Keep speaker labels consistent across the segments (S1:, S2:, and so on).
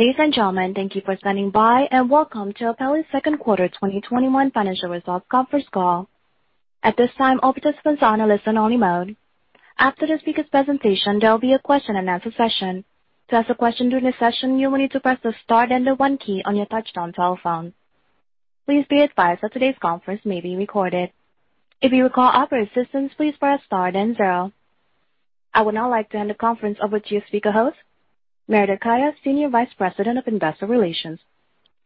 S1: Ladies and gentlemen, thank you for standing by, and welcome to Apellis second quarter 2021 financial results conference call. At this time, all participants are on a listen-only mode. After the speaker presentation, there will be a question and answer session. Please be advised that today's conference may be recorded. I would now like to hand the conference over to speaker host, Meredith Kaya, Senior Vice President of Investor Relations.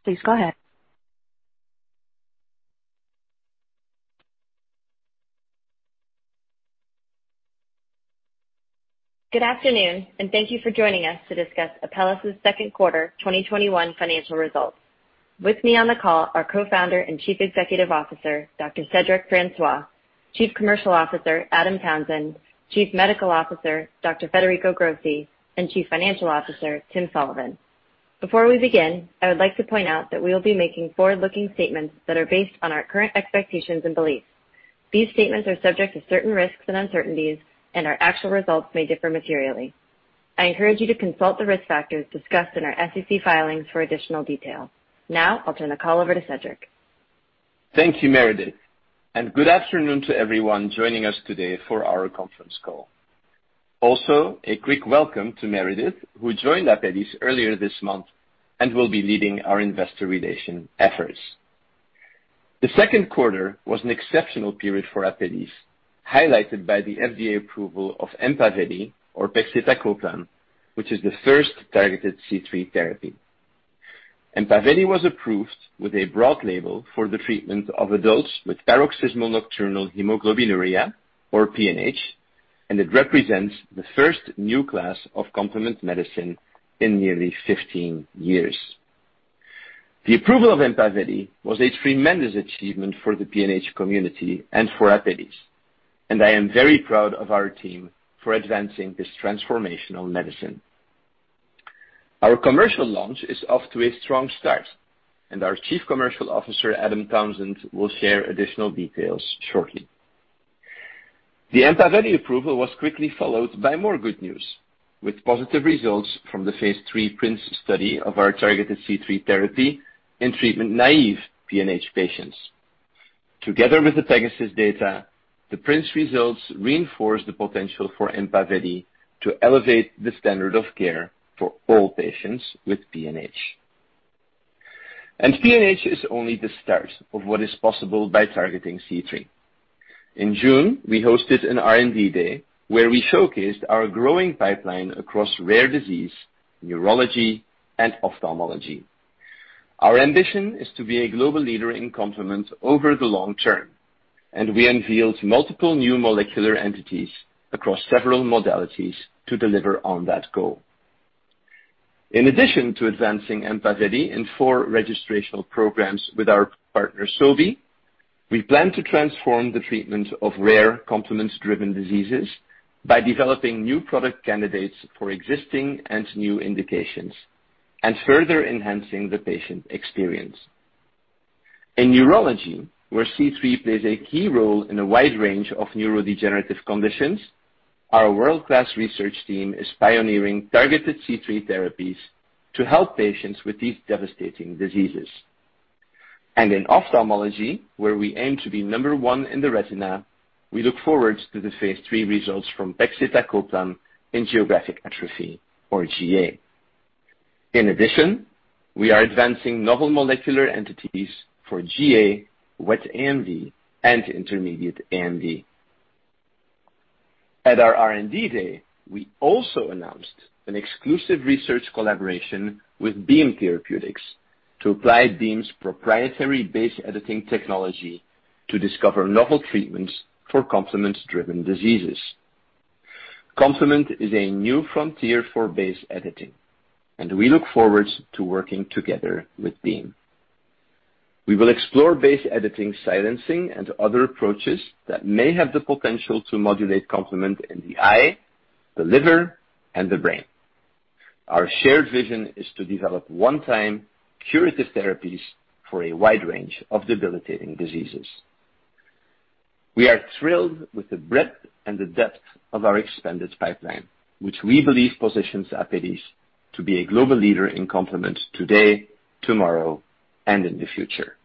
S1: Please go ahead.
S2: Good afternoon, thank you for joining us to discuss Apellis' second quarter 2021 financial results. With me on the call, our Co-founder and Chief Executive Officer, Dr Cedric Francois, Chief Commercial Officer, Adam Townsend, Chief Medical Officer, Dr Federico Grossi, and Chief Financial Officer, Timothy Sullivan. Before we begin, I would like to point out that we will be making forward-looking statements that are based on our current expectations and beliefs. These statements are subject to certain risks and uncertainties, and our actual results may differ materially. I encourage you to consult the risk factors discussed in our SEC filings for additional detail. Now, I'll turn the call over to Cedric.
S3: Thank you, Meredith, and good afternoon to everyone joining us today for our conference call. Also, a quick welcome to Meredith, who joined Apellis earlier this month and will be leading our investor relation efforts. The second quarter was an exceptional period for Apellis, highlighted by the FDA approval of EMPAVELI or, which is the first targeted C3 therapy. EMPAVELI was approved with a broad label for the treatment of adults with paroxysmal nocturnal hemoglobinuria, or PNH. It represents the first new class of complement medicine in nearly 15 years. The approval of EMPAVELI was a tremendous achievement for the PNH community and for Apellis. I am very proud of our team for advancing this transformational medicine. Our commercial launch is off to a strong start. Our Chief Commercial Officer, Adam Townsend, will share additional details shortly. The EMPAVELI approval was quickly followed by more good news, with positive results from the phase III PRINCE study of our targeted C3 therapy in treatment-naive PNH patients. Together with the PEGASUS data, the PRINCE results reinforce the potential for EMPAVELI to elevate the standard of care for all patients with PNH. PNH is only the start of what is possible by targeting C3. In June, we hosted an R&D day where we showcased our growing pipeline across rare disease, neurology, and ophthalmology. Our ambition is to be a global leader in complement over the long term, and we unveiled multiple new molecular entities across several modalities to deliver on that goal. In addition to advancing EMPAVELI in four registrational programs with our partner, Sobi, we plan to transform the treatment of rare complement-driven diseases by developing new product candidates for existing and new indications and further enhancing the patient experience. In neurology, where C3 plays a key role in a wide range of neurodegenerative conditions, our world-class research team is pioneering targeted C3 therapies to help patients with these devastating diseases. In ophthalmology, where we aim to be number one in the retina, we look forward to the phase III results from pegcetacoplan in geographic atrophy or GA. In addition, we are advancing novel molecular entities for GA, wet AMD, and intermediate AMD. At our R&D day, we also announced an exclusive research collaboration with Beam Therapeutics to apply Beam's proprietary base editing technology to discover novel treatments for complement-driven diseases. Complement is a new frontier for base editing, and we look forward to working together with Beam. We will explore base editing, silencing, and other approaches that may have the potential to modulate complement in the eye, the liver, and the brain. Our shared vision is to develop one-time curative therapies for a wide range of debilitating diseases. We are thrilled with the breadth and the depth of our expanded pipeline, which we believe positions Apellis to be a global leader in complement today, tomorrow, and in the future.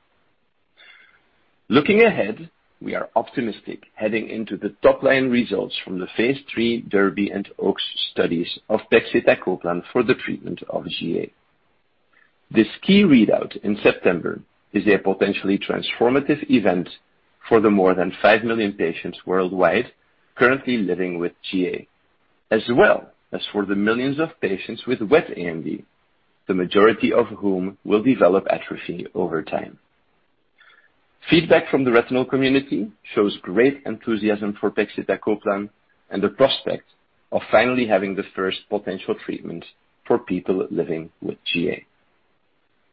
S3: Looking ahead, we are optimistic heading into the top-line results from the phase III DERBY and OAKS studies of pegcetacoplan for the treatment of GA. This key readout in September is a potentially transformative event for the more than five million patients worldwide currently living with GA, as well as for the millions of patients with wet AMD, the majority of whom will develop atrophy over time. Feedback from the retinal community shows great enthusiasm for pegcetacoplan and the prospect of finally having the first potential treatment for people living with GA.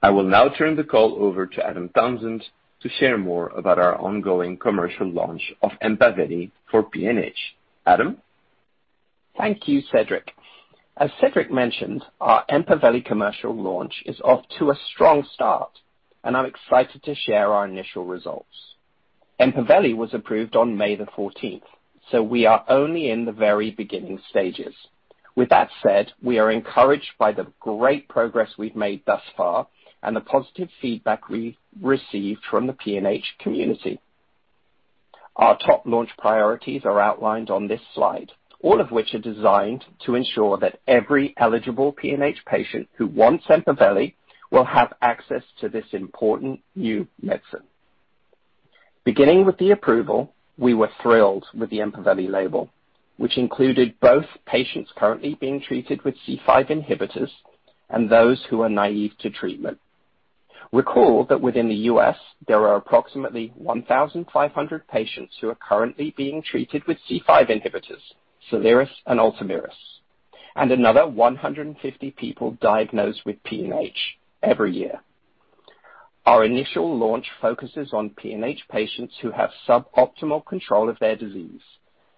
S3: I will now turn the call over to Adam Townsend to share more about our ongoing commercial launch of EMPAVELI for PNH. Adam?
S4: Thank you, Cedric. As Cedric mentioned, our EMPAVELI commercial launch is off to a strong start, and I'm excited to share our initial results. EMPAVELI was approved on May 14th, so we are only in the very beginning stages. That said, we are encouraged by the great progress we've made thus far and the positive feedback we received from the PNH community. Our top launch priorities are outlined on this slide, all of which are designed to ensure that every eligible PNH patient who wants EMPAVELI will have access to this important new medicine. Beginning with the approval, we were thrilled with the EMPAVELI label, which included both patients currently being treated with C5 inhibitors and those who are naive to treatment. Recall that within the U.S., there are approximately 1,500 patients who are currently being treated with C5 inhibitors, SOLIRIS and ULTOMIRIS, and another 150 people diagnosed with PNH every year. Our initial launch focuses on PNH patients who have suboptimal control of their disease,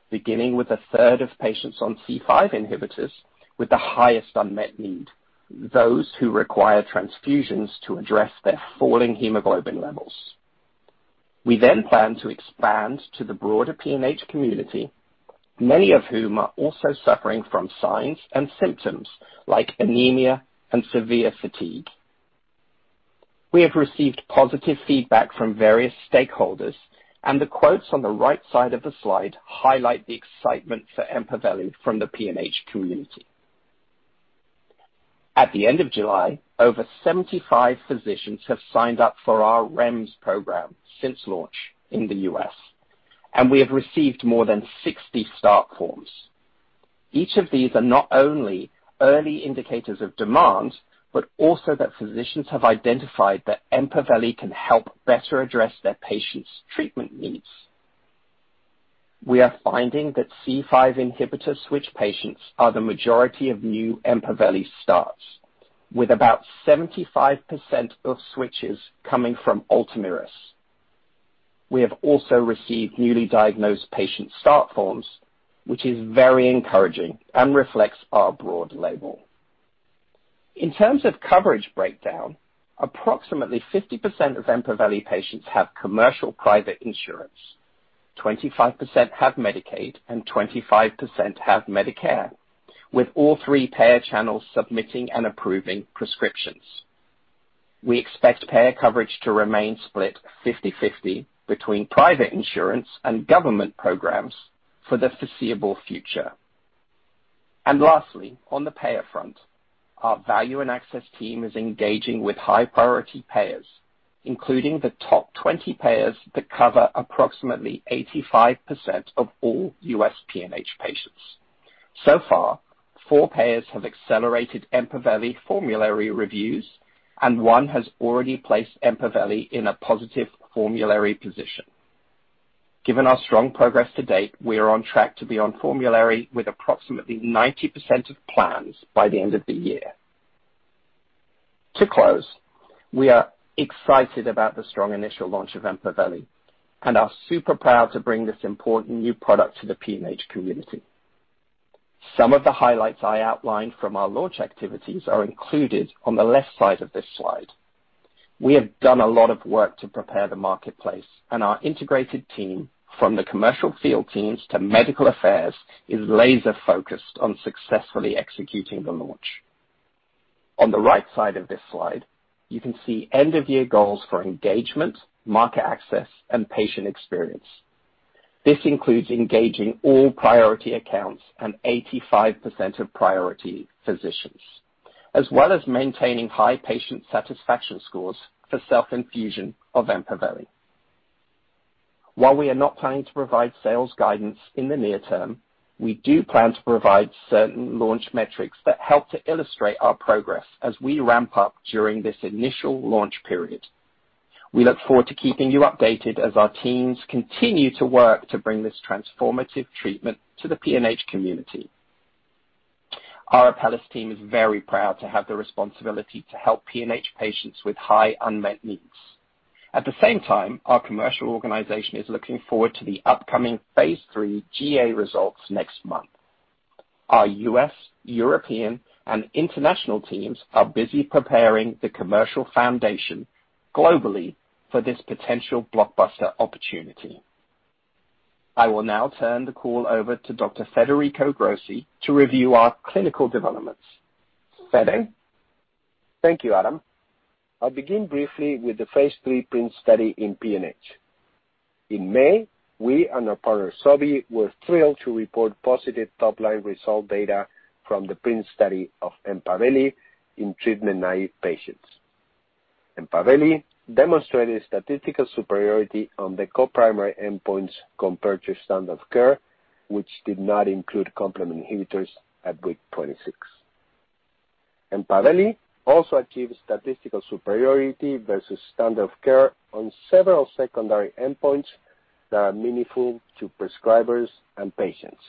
S4: beginning with a third of patients on C5 inhibitors with the highest unmet need, those who require transfusions to address their falling hemoglobin levels. We plan to expand to the broader PNH community, many of whom are also suffering from signs and symptoms like anemia and severe fatigue. We have received positive feedback from various stakeholders, and the quotes on the right side of the slide highlight the excitement for EMPAVELI from the PNH community. At the end of July, over 75 physicians have signed up for our REMS program since launch in the U.S., and we have received more than 60 start forms. Each of these are not only early indicators of demand, but also that physicians have identified that EMPAVELI can help better address their patients' treatment needs. We are finding that C5 inhibitor switch patients are the majority of new EMPAVELI starts, with about 75% of switches coming from ULTOMIRIS. We have also received newly diagnosed patient start forms, which is very encouraging and reflects our broad label. In terms of coverage breakdown, approximately 50% of EMPAVELI patients have commercial private insurance, 25% have Medicaid, and 25% have Medicare, with all three payer channels submitting and approving prescriptions. We expect payer coverage to remain split 50/50 between private insurance and government programs for the foreseeable future. Lastly, on the payer front, our value and access team is engaging with high-priority payers, including the top 20 payers that cover approximately 85% of all U.S. PNH patients. So far, four payers have accelerated EMPAVELI formulary reviews, and one has already placed EMPAVELI in a positive formulary position. Given our strong progress to date, we are on track to be on formulary with approximately 90% of plans by the end of the year. To close, we are excited about the strong initial launch of EMPAVELI and are super proud to bring this important new product to the PNH community. Some of the highlights I outlined from our launch activities are included on the left side of this slide. We have done a lot of work to prepare the marketplace, and our integrated team, from the commercial field teams to medical affairs, is laser-focused on successfully executing the launch. On the right side of this slide, you can see end-of-year goals for engagement, market access, and patient experience. This includes engaging all priority accounts and 85% of priority physicians, as well as maintaining high patient satisfaction scores for self-infusion of EMPAVELI. While we are not planning to provide sales guidance in the near term, we do plan to provide certain launch metrics that help to illustrate our progress as we ramp up during this initial launch period. We look forward to keeping you updated as our teams continue to work to bring this transformative treatment to the PNH community. Our Apellis team is very proud to have the responsibility to help PNH patients with high unmet needs. At the same time, our commercial organization is looking forward to the upcoming phase III GA results next month. Our U.S., European, and international teams are busy preparing the commercial foundation globally for this potential blockbuster opportunity. I will now turn the call over to Dr. Federico Grossi to review our clinical developments. Fede.
S5: Thank you, Adam. I'll begin briefly with the phase III PRINCE study in PNH. In May, we and our partner, Sobi, were thrilled to report positive top-line result data from the PRINCE study of EMPAVELI in treatment-naive patients. EMPAVELI demonstrated statistical superiority on the co-primary endpoints compared to standard of care, which did not include complement inhibitors at week 26. EMPAVELI also achieved statistical superiority versus standard of care on several secondary endpoints that are meaningful to prescribers and patients.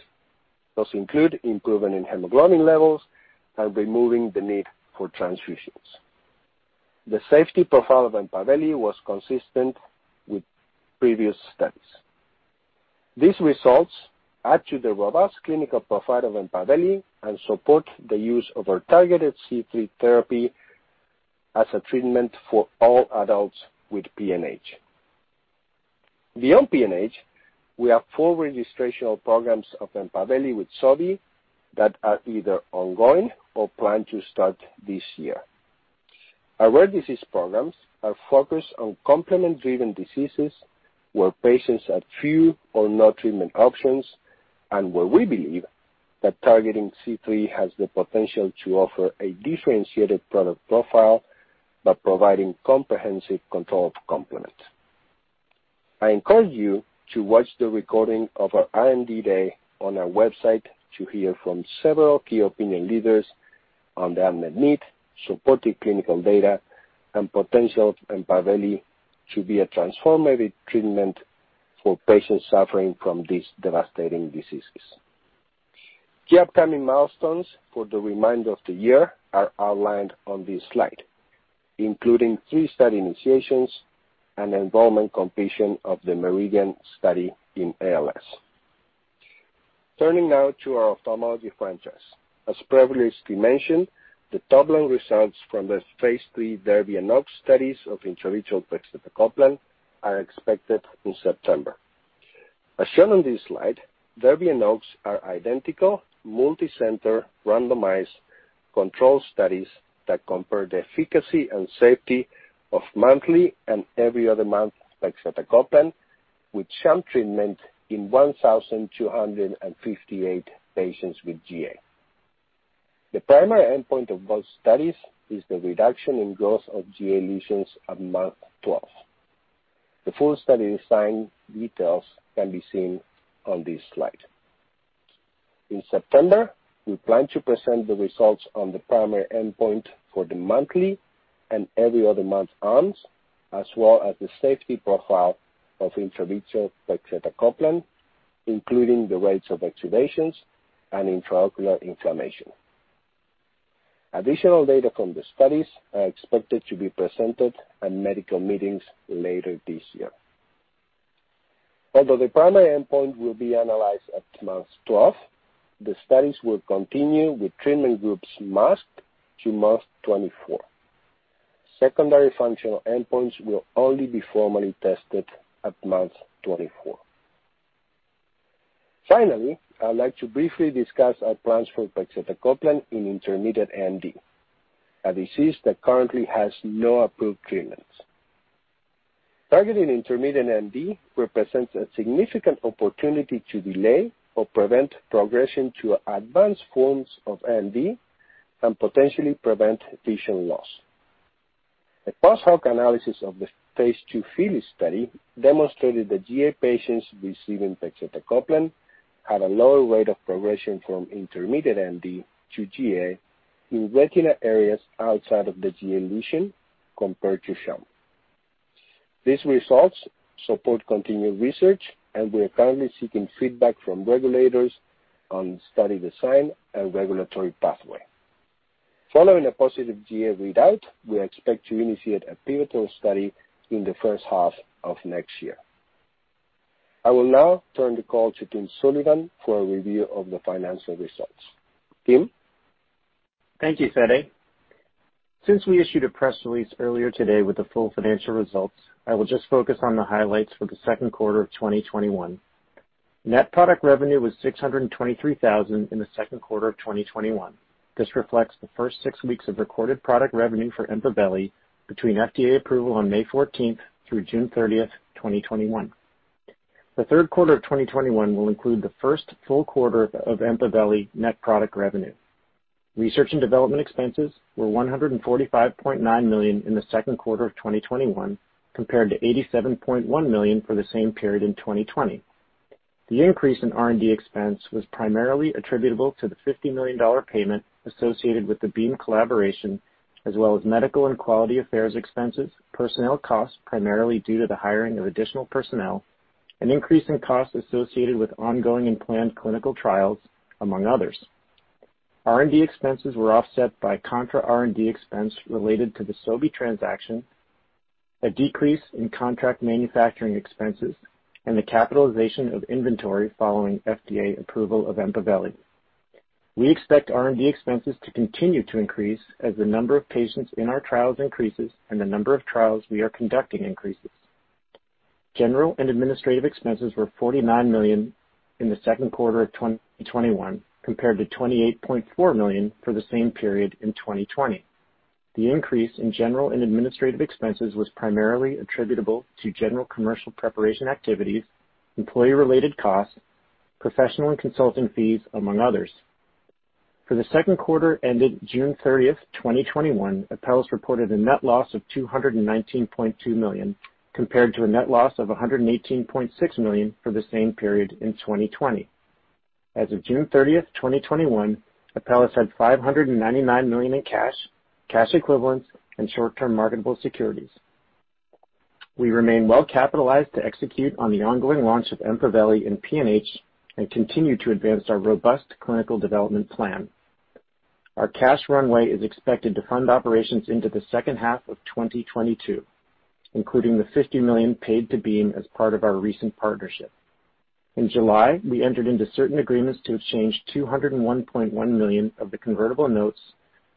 S5: Those include improvement in hemoglobin levels and removing the need for transfusions. The safety profile of EMPAVELI was consistent with previous studies. These results add to the robust clinical profile of EMPAVELI and support the use of our targeted C3 therapy as a treatment for all adults with PNH. Beyond PNH, we have four registrational programs of EMPAVELI with Sobi that are either ongoing or plan to start this year. Our rare disease programs are focused on complement-driven diseases where patients have few or no treatment options, and where we believe that targeting C3 has the potential to offer a differentiated product profile by providing comprehensive control of complement. I encourage you to watch the recording of our R&D day on our website to hear from several key opinion leaders on the unmet need, supportive clinical data, and potential of EMPAVELI to be a transformative treatment for patients suffering from these devastating diseases. Key upcoming milestones for the remainder of the year are outlined on this slide, including three study initiations and enrollment completion of the MERIDIAN study in ALS. Turning now to our ophthalmology franchise. As previously mentioned, the top-line results from the phase III DERBY and OAKS studies of intravitreal pegcetacoplan are expected in September. As shown on this slide, DERBY and OAKS are identical, multicenter, randomized control studies that compare the efficacy and safety of monthly and every other month pegcetacoplan with sham treatment in 1,258 patients with GA. The primary endpoint of both studies is the reduction in growth of GA lesions at month 12. The full study design details can be seen on this slide. In September, we plan to present the results on the primary endpoint for the monthly and every other month arms, as well as the safety profile of intravitreal pegcetacoplan, including the rates of exudations and intraocular inflammation. Additional data from the studies are expected to be presented at medical meetings later this year. Although the primary endpoint will be analyzed at month 12, the studies will continue with treatment groups masked to month 24. Secondary functional endpoints will only be formally tested at month 24. I'd like to briefly discuss our plans for pegcetacoplan in intermediate AMD, a disease that currently has no approved treatments. Targeting intermediate AMD represents a significant opportunity to delay or prevent progression to advanced forms of AMD, and potentially prevent vision loss. A post hoc analysis of the phase II FILLY study demonstrated that GA patients receiving pegcetacoplan had a lower rate of progression from intermediate AMD to GA in retina areas outside of the GA lesion compared to sham. These results support continued research. We are currently seeking feedback from regulators on study design and regulatory pathway. Following a positive GA readout, we expect to initiate a pivotal study in the first half of next year. I will now turn the call to Timothy Sullivan for a review of the financial results. Tim?
S6: Thank you, Fede. Since we issued a press release earlier today with the full financial results, I will just focus on the highlights for the second quarter of 2021. Net product revenue was $623,000 in the second quarter of 2021. This reflects the first six weeks of recorded product revenue for EMPAVELI between FDA approval on May 14th through June 30th, 2021. The third quarter of 2021 will include the first full quarter of EMPAVELI net product revenue. Research and development expenses were $145.9 million in the second quarter of 2021, compared to $87.1 million for the same period in 2020. The increase in R&D expense was primarily attributable to the $50 million payment associated with the Beam collaboration, as well as medical and quality affairs expenses, personnel costs, primarily due to the hiring of additional personnel, an increase in costs associated with ongoing and planned clinical trials, among others. R&D expenses were offset by contra-R&D expense related to the Sobi transaction, a decrease in contract manufacturing expenses, and the capitalization of inventory following FDA approval of EMPAVELI. We expect R&D expenses to continue to increase as the number of patients in our trials increases and the number of trials we are conducting increases. General and administrative expenses were $49 million in the second quarter of 2021, compared to $28.4 million for the same period in 2020. The increase in general and administrative expenses was primarily attributable to general commercial preparation activities, employee-related costs, professional and consulting fees, among others. For the second quarter ended June 30th, 2021, Apellis reported a net loss of $219.2 million, compared to a net loss of $118.6 million for the same period in 2020. As of June 30th, 2021, Apellis had $599 million in cash equivalents, and short-term marketable securities. We remain well capitalized to execute on the ongoing launch of EMPAVELI in PNH and continue to advance our robust clinical development plan. Our cash runway is expected to fund operations into the second half of 2022, including the $50 million paid to Beam as part of our recent partnership. In July, we entered into certain agreements to exchange $201.1 million of the convertible notes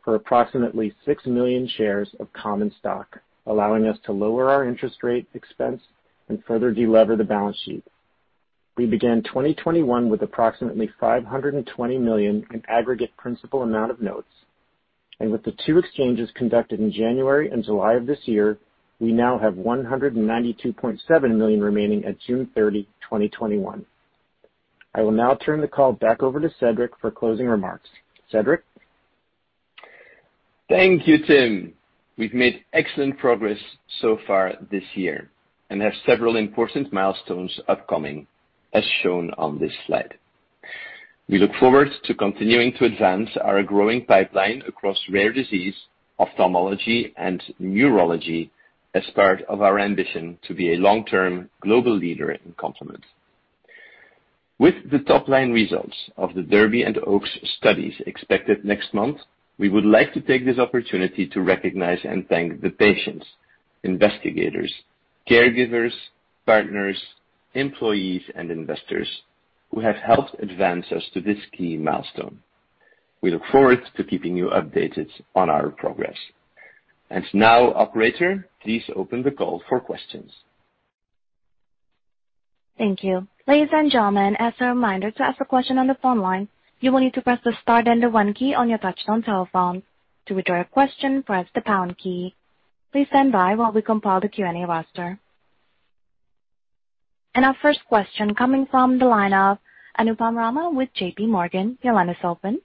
S6: for approximately six million shares of common stock, allowing us to lower our interest rate expense and further de-lever the balance sheet. We began 2021 with approximately $520 million in aggregate principal amount of notes. With the two exchanges conducted in January and July of this year, we now have $192.7 million remaining at June 30, 2021. I will now turn the call back over to Cedric for closing remarks. Cedric?
S3: Thank you, Tim. We've made excellent progress so far this year and have several important milestones upcoming, as shown on this slide. We look forward to continuing to advance our growing pipeline across rare disease, ophthalmology, and neurology as part of our ambition to be a long-term global leader in complement. With the top-line results of the DERBY and OAKS studies expected next month, we would like to take this opportunity to recognize and thank the patients, investigators, caregivers, partners, employees, and investors who have helped advance us to this key milestone. Now, operator, please open the call for questions.
S1: Thank you. Ladies and gentlemen, as a reminder, to ask a question on the phone line, you will need to press the star then the one key on your touch-tone telephone. To withdraw your question, press the pound key. Please stand by while we compile the Q&A roster. Our first question coming from the line of Anupam Rama with JPMorgan. Your line is open.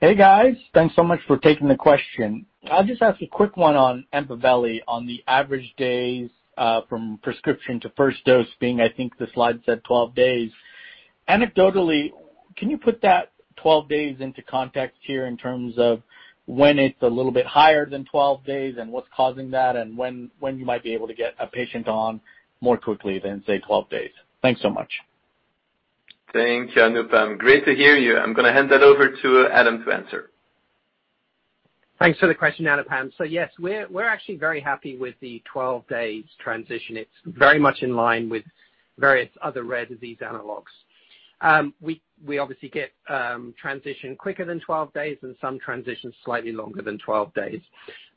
S7: Hey, guys. Thanks so much for taking the question. I'll just ask a quick one on EMPAVELI, on the average days, from prescription to first dose being, I think the slide said, 12 days. Anecdotally, can you put that 12 days into context here in terms of when it's a little bit higher than 12 days and what's causing that and when you might be able to get a patient on more quickly than, say, 12 days? Thanks so much.
S3: Thank you, Anupam. Great to hear you. I'm going to hand that over to Adam to answer.
S4: Thanks for the question, Anupam. Yes, we're actually very happy with the 12 days transition. It's very much in line with various other rare disease analogs. We obviously get transition quicker than 12 days and some transitions slightly longer than 12 days.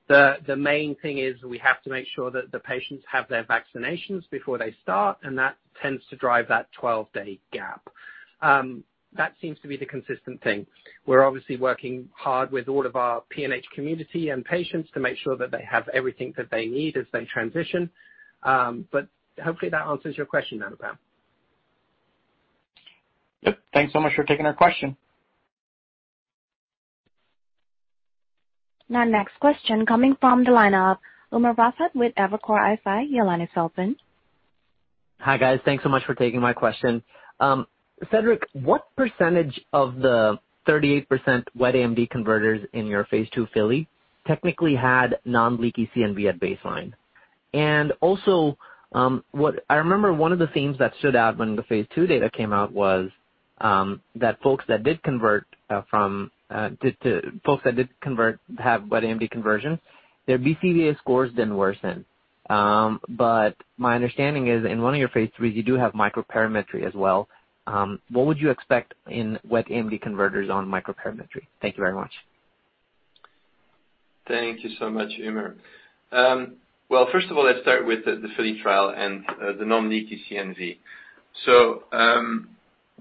S4: The main thing is we have to make sure that the patients have their vaccinations before they start, and that tends to drive that 12-day gap. That seems to be the consistent thing. We're obviously working hard with all of our PNH community and patients to make sure that they have everything that they need as they transition. Hopefully, that answers your question, Anupam.
S7: Yep. Thanks so much for taking our question.
S1: Now next question coming from the line of Umer Raffat with Evercore ISI. Your line is open.
S8: Hi, guys. Thanks so much for taking my question. Cedric, what percentage of the 38% wet AMD converters in your phase II FILLY technically had non-leaky CNV at baseline? Also, I remember one of the themes that stood out when the phase II data came out was that folks that did convert have wet AMD conversion, their BCVA scores didn't worsen. My understanding is in one of your phase IIIs, you do have microperimetry as well. What would you expect in wet AMD converters on microperimetry? Thank you very much.
S3: Thank you so much, Umer. First of all, let's start with the FILLY trial and the non-leaky CNV.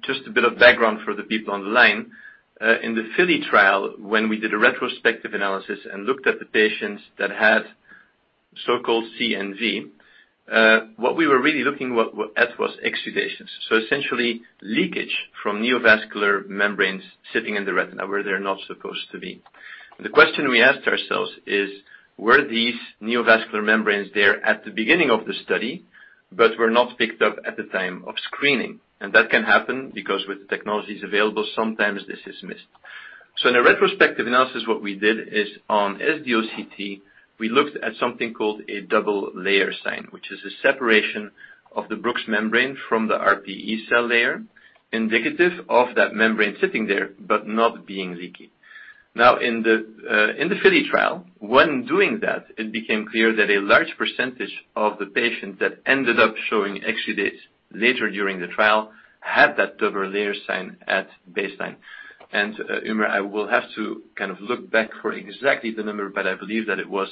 S3: Just a bit of background for the people on the line. In the FILLY trial, when we did a retrospective analysis and looked at the patients that had so-called CNV, what we were really looking at was exudations. Essentially, leakage from neovascular membranes sitting in the retina where they're not supposed to be. The question we asked ourselves is, were these neovascular membranes there at the beginning of the study but were not picked up at the time of screening? That can happen because with the technologies available, sometimes this is missed. In a retrospective analysis, what we did is on SD-OCT, we looked at something called a double layer sign, which is a separation of the Bruch's membrane from the RPE cell layer, indicative of that membrane sitting there but not being leaky. In the FILLY trial, when doing that, it became clear that a large percentage of the patients that ended up showing exudates later during the trial had that double layer sign at baseline. Umer, I will have to look back for exactly the number, but I believe that it was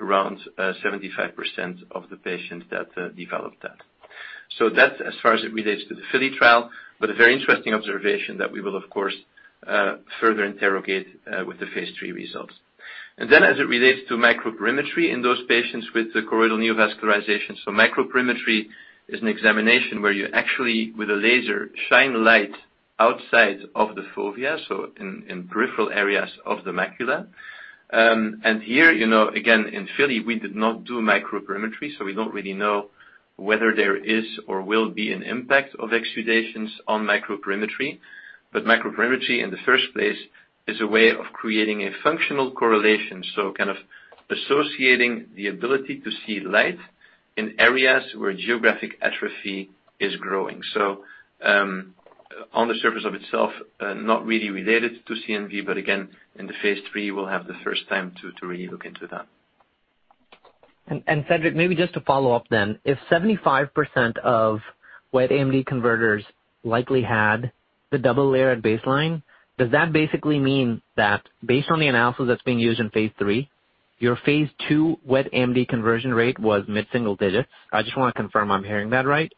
S3: around 75% of the patients that developed that. That's as far as it relates to the FILLY trial, but a very interesting observation that we will, of course, further interrogate with the phase III results. Then as it relates to microperimetry in those patients with choroidal neovascularization. Microperimetry is an examination where you actually, with a laser, shine light outside of the fovea, so in peripheral areas of the macula. Here, again, in FILLY, we did not do microperimetry, so we don't really know whether there is or will be an impact of exudations on microperimetry. Microperimetry, in the first place, is a way of creating a functional correlation, so kind of associating the ability to see light in areas where geographic atrophy is growing. On the surface of itself, not really related to CNV, but again, in the phase III, we'll have the first time to really look into that.
S8: Cedric, maybe just to follow up then, if 75% of wet AMD converters likely had the double-layer at baseline, does that basically mean that based on the analysis that's being used in phase III, your phase II wet AMD conversion rate was mid-single digits? I just want to confirm I'm hearing that right.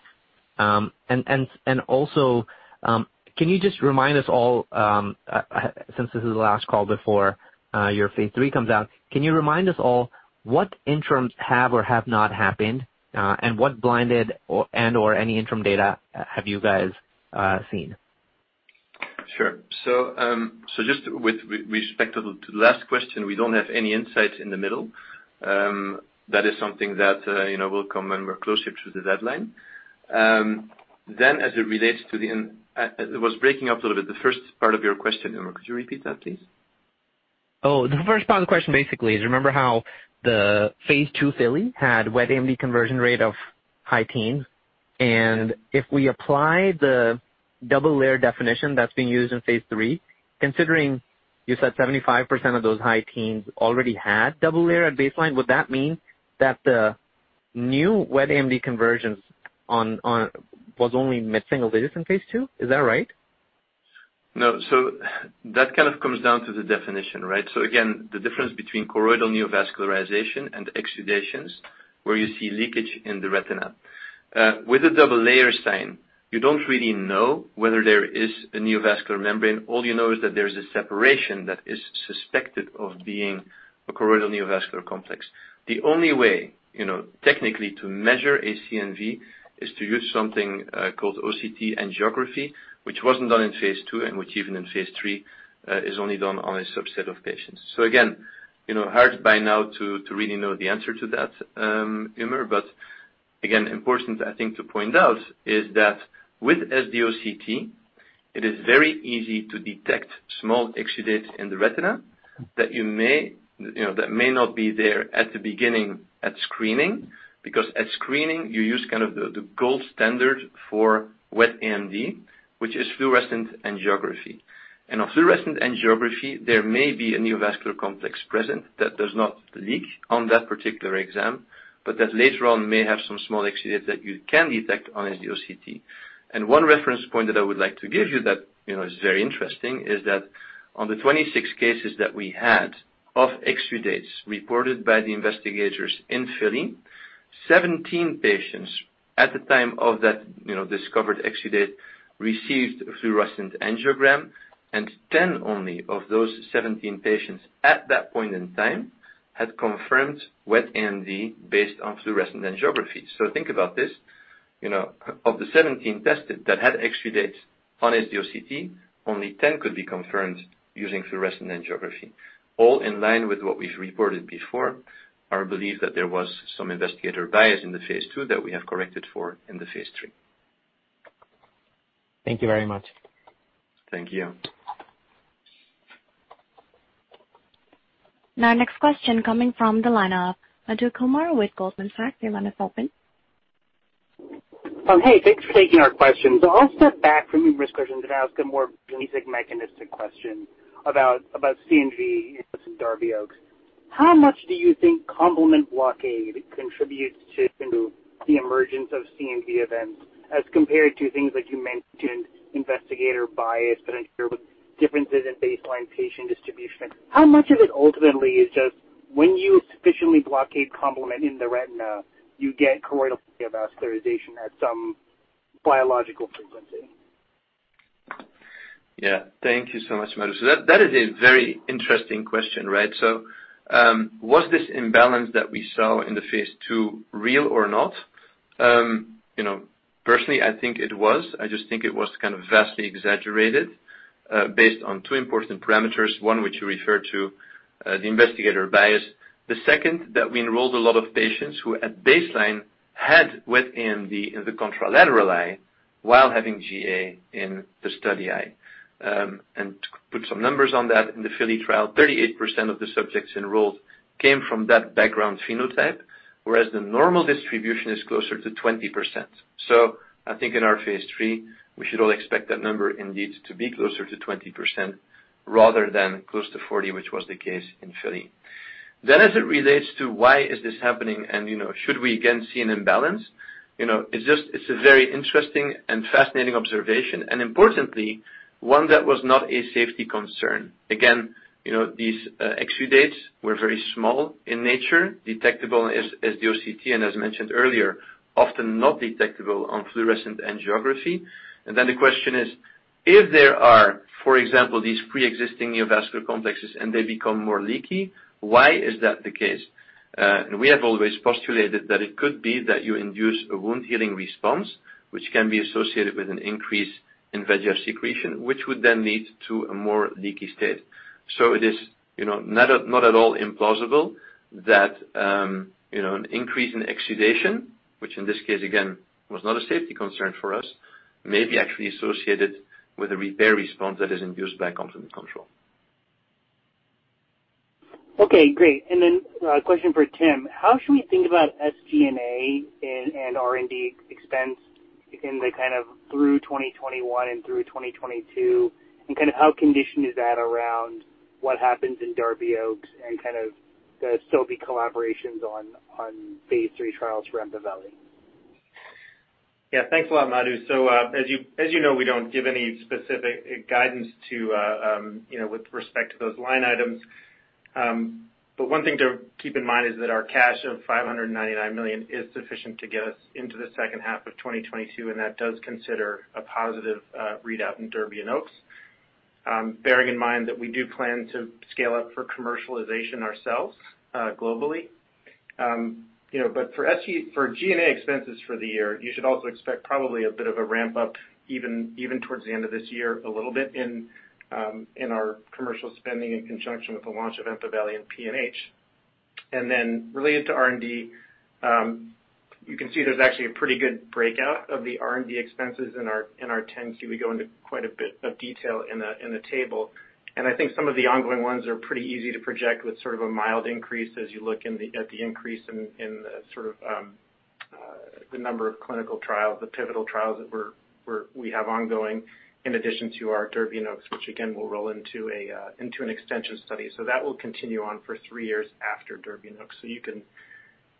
S8: Also, can you just remind us all, since this is the last call before your phase III comes out, can you remind us all what interims have or have not happened, and what blinded and/or any interim data have you guys seen?
S3: Sure. Just with respect to the last question, we don't have any insight in the middle. That is something that will come when we're closer to the deadline. It was breaking up a little bit, the first part of your question, Umer. Could you repeat that, please?
S8: Oh, the first part of the question basically is, remember how the phase II FILLY had wet AMD conversion rate of high teens? If we apply the double-layer definition that's being used in phase III, considering you said 75% of those high teens already had double-layer at baseline, would that mean that the new wet AMD conversions was only mid-single digits in phase II? Is that right?
S3: No. That kind of comes down to the definition, right? Again, the difference between choroidal neovascularization and exudations, where you see leakage in the retina. With a double-layer sign, you don't really know whether there is a neovascular membrane. All you know is that there's a separation that is suspected of being a choroidal neovascular complex. The only way, technically, to measure a CNV is to use something called OCT angiography, which wasn't done in phase II and which even in phase III, is only done on a subset of patients. Again, hard by now to really know the answer to that, Umer, but again, important, I think to point out is that with SD-OCT, it is very easy to detect small exudates in the retina that may not be there at the beginning at screening, because at screening you use the gold standard for wet AMD, which is fluorescein angiography. On fluorescein angiography, there may be a neovascular complex present that does not leak on that particular exam, but that later on may have some small exudates that you can detect on SD-OCT. One reference point that I would like to give you that is very interesting, is that on the 26 cases that we had of exudates reported by the investigators in FILLY, 17 patients at the time of that discovered exudate, received fluorescein angiography, and 10 only of those 17 patients at that point in time had confirmed wet AMD based on fluorescein angiography. Think about this, of the 17 tested that had exudates on SD-OCT, only 10 could be confirmed using fluorescein angiography. All in line with what we've reported before. Our belief that there was some investigator bias in the phase II that we have corrected for in the phase III.
S8: Thank you very much.
S3: Thank you.
S1: Next question coming from the line of Madhu Kumar with Goldman Sachs. Your line is open.
S9: Hey, thanks for taking our question. I'll step back from the risk aversion and ask a more basic mechanistic question about CNV in some DERBY, OAKS. How much do you think complement blockade contributes to the emergence of CNV events as compared to things like you mentioned, investigator bias, but I'm sure with differences in baseline patient distribution. How much of it ultimately is just when you sufficiently blockade complement in the retina, you get choroidal neovascularization at some biological frequency?
S3: Yeah. Thank you so much, Madhu Kumar. That is a very interesting question, right? Was this imbalance that we saw in the phase II real or not? Personally, I think it was. I just think it was kind of vastly exaggerated, based on two important parameters, one which you referred to, the investigator bias. The second, that we enrolled a lot of patients who at baseline had wet AMD in the contralateral eye while having GA in the study eye. To put some numbers on that, in the FILLY trial, 38% of the subjects enrolled came from that background phenotype, whereas the normal distribution is closer to 20%. I think in our phase III, we should all expect that number indeed to be closer to 20%, rather than close to 40, which was the case in FILLY. As it relates to why is this happening and should we again see an imbalance? It's a very interesting and fascinating observation, and importantly, one that was not a safety concern. Again, these exudates were very small in nature, detectable as SD-OCT, and as mentioned earlier, often not detectable on fluorescein angiography. The question is, if there are, for example, these preexisting neovascular complexes and they become more leaky, why is that the case? We have always postulated that it could be that you induce a wound-healing response, which can be associated with an increase in VEGF secretion, which would then lead to a more leaky state. It is not at all implausible that an increase in exudation, which in this case, again, was not a safety concern for us, may be actually associated with a repair response that is induced by complement control.
S9: Okay, great. A question for Tim. How should we think about SG&A and R&D expense through 2021 and through 2022, and how conditioned is that around what happens in DERBY and OAKS and the Sobi collaborations on phase III trials for EMPAVELI?
S6: Yeah, thanks a lot, Madhu. As you know, we don't give any specific guidance with respect to those line items. One thing to keep in mind is that our cash of $599 million is sufficient to get us into the second half of 2022, and that does consider a positive readout in DERBY and OAKS, bearing in mind that we do plan to scale up for commercialization ourselves globally. For G&A expenses for the year, you should also expect probably a bit of a ramp-up even towards the end of this year, a little bit in our commercial spending in conjunction with the launch of EMPAVELI and PNH. Related to R&D, you can see there's actually a pretty good breakout of the R&D expenses in our 10-Q. We go into quite a bit of detail in the table. I think some of the ongoing ones are pretty easy to project with sort of a mild increase as you look at the increase in the number of clinical trials, the pivotal trials that we have ongoing in addition to our DERBY and OAKS, which again, will roll into an extension study. That will continue on for three years after DERBY and OAKS.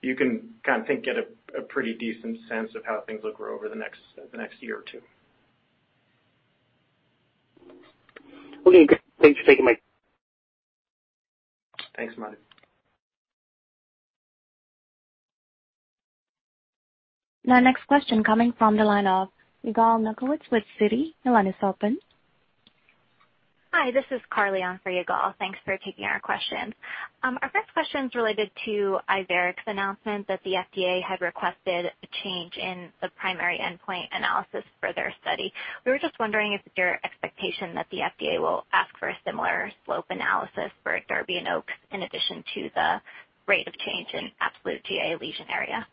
S6: You can get a pretty decent sense of how things will grow over the next one or two years.
S9: Okay, great. Thanks for taking my call.
S6: Thanks, Madhu.
S1: The next question coming from the line of Yigal Nochomovitz with Citi. Your line is open.
S10: Hi, this is Carly on for Yigal. Thanks for taking our question. Our first question's related to IVERIC bio's announcement that the FDA had requested a change in the primary endpoint analysis for their study. We were just wondering if it's your expectation that the FDA will ask for a similar slope analysis for DERBY and OAKS, in addition to the rate of change in absolute GA lesion area.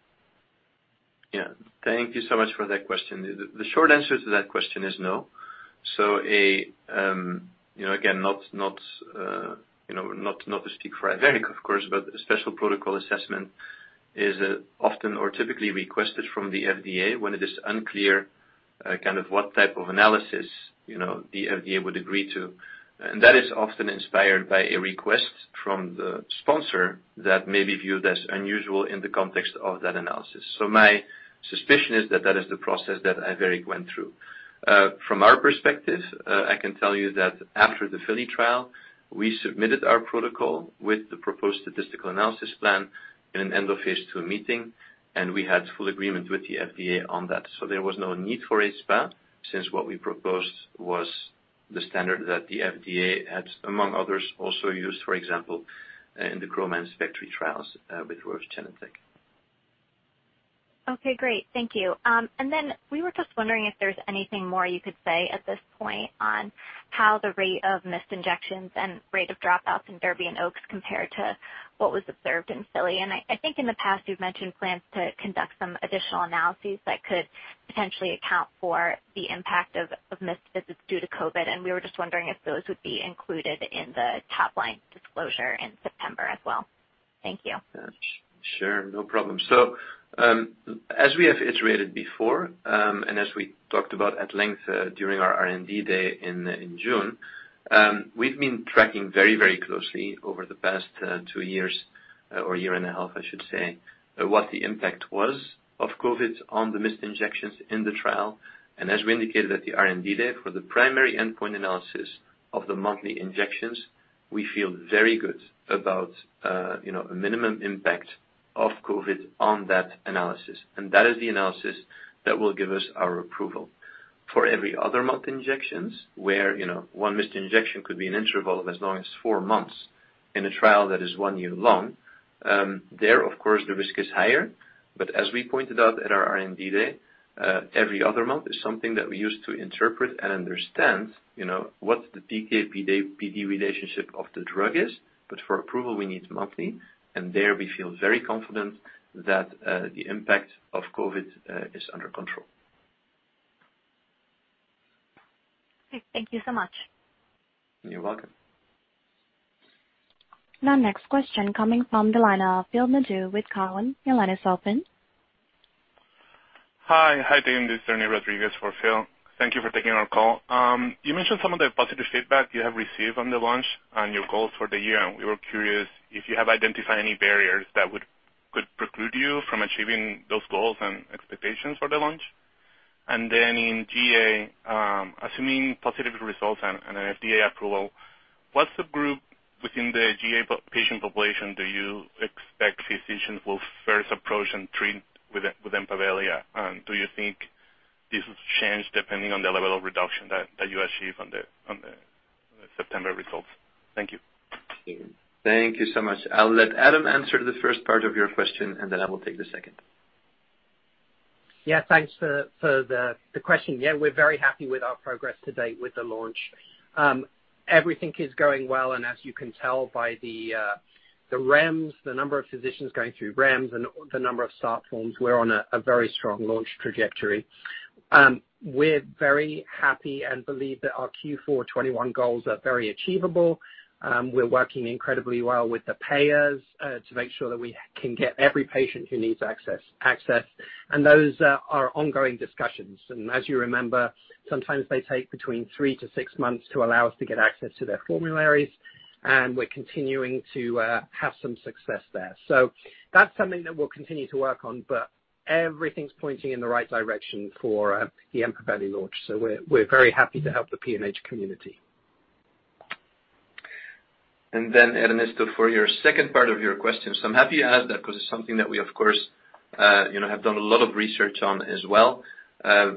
S3: Yeah. Thank you so much for that question. The short answer to that question is no. Again, not to speak for IVERIC, of course, but a Special Protocol Assessment is often or typically requested from the FDA when it is unclear what type of analysis the FDA would agree to. That is often inspired by a request from the sponsor that may be viewed as unusual in the context of that analysis. My suspicion is that that is the process that IVERIC went through. From our perspective, I can tell you that after the FILLY trial, we submitted our protocol with the proposed statistical analysis plan in an end of phase II meeting, and we had full agreement with the FDA on that. There was no need for a SPA, since what we proposed was the standard that the FDA had, among others, also used, for example, in the Chroma and Spectri trials with Roche and Genentech.
S10: Okay, great. Thank you. We were just wondering if there's anything more you could say at this point on how the rate of missed injections and rate of dropouts in DERBY and OAKS compare to what was observed in FILLY. I think in the past, you've mentioned plans to conduct some additional analyses that could potentially account for the impact of missed visits due to COVID, and we were just wondering if those would be included in the top-line disclosure in September as well. Thank you.
S3: Sure. No problem. As we have iterated before, and as we talked about at length during our R&D day in June, we've been tracking very closely over the past two years, or year and a half I should say, what the impact was of COVID on the missed injections in the trial. As we indicated at the R&D day, for the primary endpoint analysis of the monthly injections, we feel very good about a minimum impact of COVID on that analysis. That is the analysis that will give us our approval. For every other month injections, where one missed injection could be an interval of as long as four months in a trial that is one year long, there of course the risk is higher. As we pointed out at our R&D day, every other month is something that we use to interpret and understand what the PK PD relationship of the drug is. For approval, we need monthly, and there we feel very confident that the impact of COVID is under control.
S10: Okay. Thank you so much.
S3: You're welcome.
S1: The next question coming from the line of Phil Nadeau with Cowen. Your line is open.
S11: Hi. Hi, team. This is Ernesto Rodriguez-Dumont for Phil. Thank you for taking our call. You mentioned some of the positive feedback you have received on the launch and your goals for the year, we were curious if you have identified any barriers that could preclude you from achieving those goals and expectations for the launch. Then in GA, assuming positive results and an FDA approval, what's the group within the GA patient population do you expect physicians will first approach and treat with EMPAVELI? Do you think this will change depending on the level of reduction that you achieve on the September results? Thank you.
S3: Thank you so much. I'll let Adam answer the first part of your question, and then I will take the second.
S4: Yeah, thanks for the question. Yeah, we're very happy with our progress to date with the launch. Everything is going well, as you can tell by the REMS, the number of physicians going through REMS and the number of start forms, we're on a very strong launch trajectory. We're very happy and believe that our Q4 2021 goals are very achievable. We're working incredibly well with the payers to make sure that we can get every patient who needs access. Those are ongoing discussions. As you remember, sometimes they take between three to six months to allow us to get access to their formularies, and we're continuing to have some success there. That's something that we'll continue to work on, but everything's pointing in the right direction for the EMPAVELI launch. We're very happy to help the PNH community.
S3: Ernesto, for your second part of your question. I'm happy you asked that because it's something that we of course have done a lot of research on as well.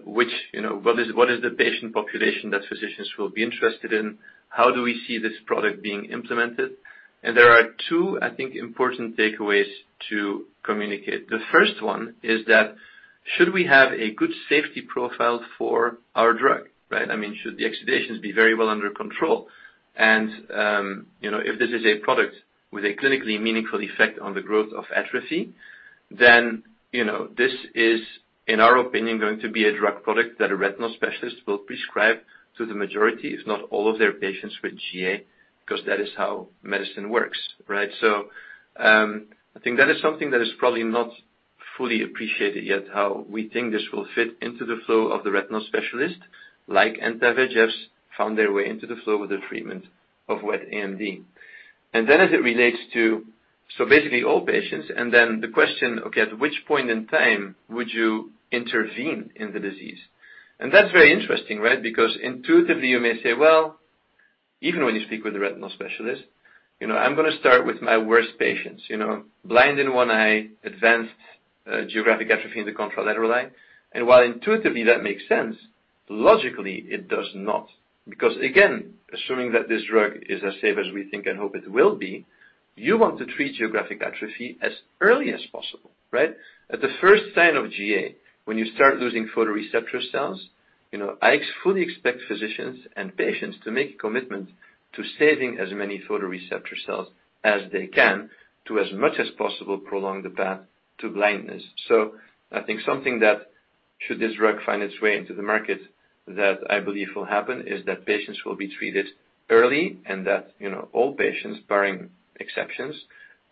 S3: Which, what is the patient population that physicians will be interested in? How do we see this product being implemented? There are two, I think, important takeaways to communicate. The first one is that should we have a good safety profile for our drug, right? I mean, should the exudations be very well under control? If this is a product with a clinically meaningful effect on the growth of atrophy, then this is, in our opinion, going to be a drug product that a retinal specialist will prescribe to the majority, if not all of their patients with GA, because that is how medicine works, right? I think that is something that is probably not fully appreciated yet, how we think this will fit into the flow of the retinal specialist, like anti-VEGFs found their way into the flow of the treatment of wet AMD. As it relates to basically all patients and then the question, okay, at which point in time would you intervene in the disease? That's very interesting, right? Intuitively you may say, well, even when you speak with a retinal specialist, I'm going to start with my worst patients. Blind in one eye, advanced geographic atrophy in the contralateral eye. While intuitively that makes sense, logically it does not. Again, assuming that this drug is as safe as we think and hope it will be, you want to treat geographic atrophy as early as possible, right? At the first sign of GA, when you start losing photoreceptor cells, I fully expect physicians and patients to make a commitment to saving as many photoreceptor cells as they can to, as much as possible, prolong the path to blindness. I think something that, should this drug find its way into the market, that I believe will happen, is that patients will be treated early and that all patients, barring exceptions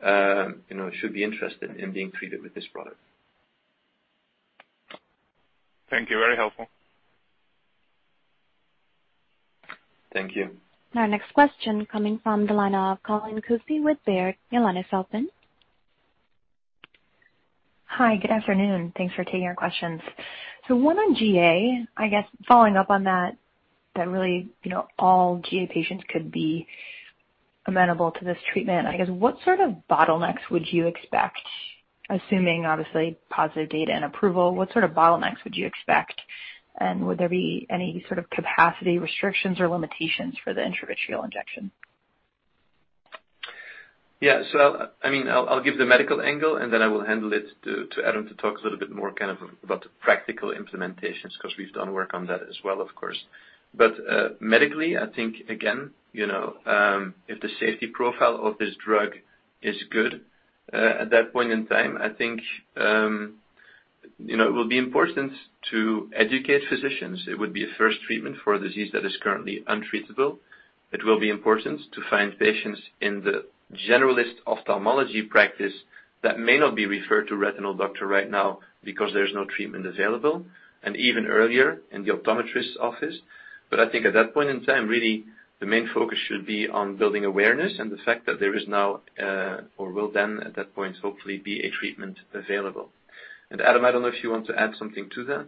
S3: should be interested in being treated with this product.
S11: Thank you. Very helpful.
S3: Thank you.
S1: Our next question coming from the line of Colleen Kusy with Baird. Your line is open.
S12: Hi, good afternoon. Thanks for taking our questions. One on GA, I guess following up on that really all GA patients could be amenable to this treatment. I guess what sort of bottlenecks would you expect, assuming obviously positive data and approval, what sort of bottlenecks would you expect? Would there be any sort of capacity restrictions or limitations for the intravitreal injection?
S3: Yeah. I'll give the medical angle and then I will handle it to Adam to talk a little bit more about the practical implementations, because we've done work on that as well, of course. Medically, I think again if the safety profile of this drug is good at that point in time, I think it will be important to educate physicians. It would be a first treatment for a disease that is currently untreatable. It will be important to find patients in the generalist ophthalmology practice that may not be referred to retinal doctor right now because there's no treatment available, and even earlier in the optometrist office. I think at that point in time, really the main focus should be on building awareness and the fact that there is now or will then at that point hopefully be a treatment available. Adam, I don't know if you want to add something to that?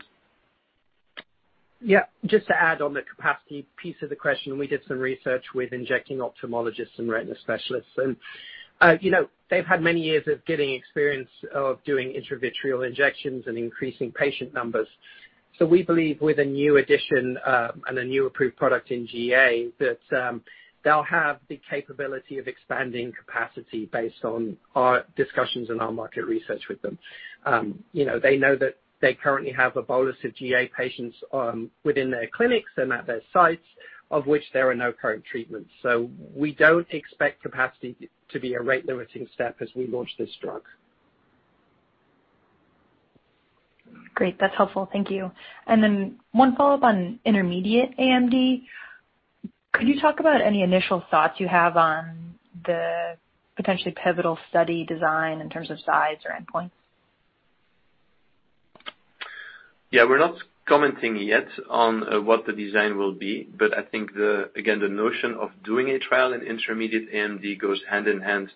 S4: Just to add on the capacity piece of the question, we did some research with injecting ophthalmologists and retina specialists. They've had many years of getting experience of doing intravitreal injections and increasing patient numbers. We believe with a new addition and a new approved product in GA, that they'll have the capability of expanding capacity based on our discussions and our market research with them. They know that they currently have a bolus of GA patients within their clinics and at their sites, of which there are no current treatments. We don't expect capacity to be a rate limiting step as we launch this drug.
S12: Great. That's helpful. Thank you. One follow-up on intermediate AMD. Could you talk about any initial thoughts you have on the potentially pivotal study design in terms of size or endpoints?
S3: Yeah. We're not commenting yet on what the design will be, but I think, again, the notion of doing a trial in intermediate AMD goes hand in hand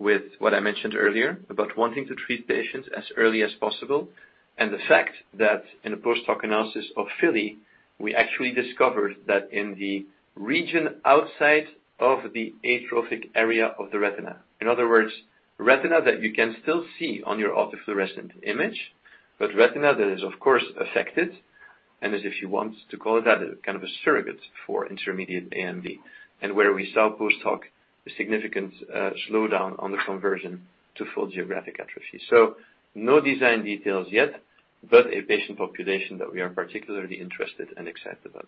S3: with what I mentioned earlier about wanting to treat patients as early as possible. The fact that in a post-hoc analysis of FILLY, we actually discovered that in the region outside of the atrophic area of the retina, in other words, retina that you can still see on your autofluorescent image, but retina that is of course affected and as if you want to call that kind of a surrogate for intermediate AMD. Where we saw post-hoc a significant slowdown on the conversion to full geographic atrophy. No design details yet, but a patient population that we are particularly interested and excited about.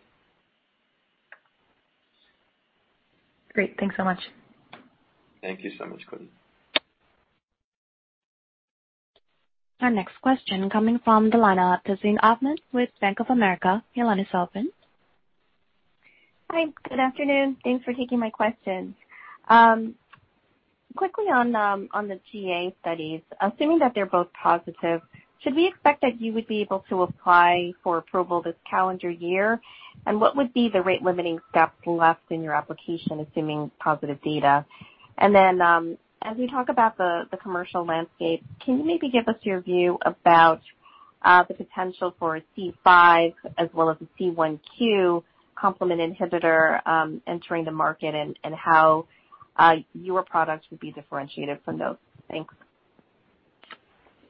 S12: Great. Thanks so much.
S3: Thank you so much, Colleen.
S1: Our next question coming from the line of Tazeen Ahmad with Bank of America. Your line is open.
S13: Hi. Good afternoon. Thanks for taking my questions. Quickly on the GA studies, assuming that they're both positive, should we expect that you would be able to apply for approval this calendar year? What would be the rate limiting step left in your application, assuming positive data? As we talk about the commercial landscape, can you maybe give us your view about the potential for a C5 as well as a C1q complement inhibitor entering the market and how your product would be differentiated from those? Thanks.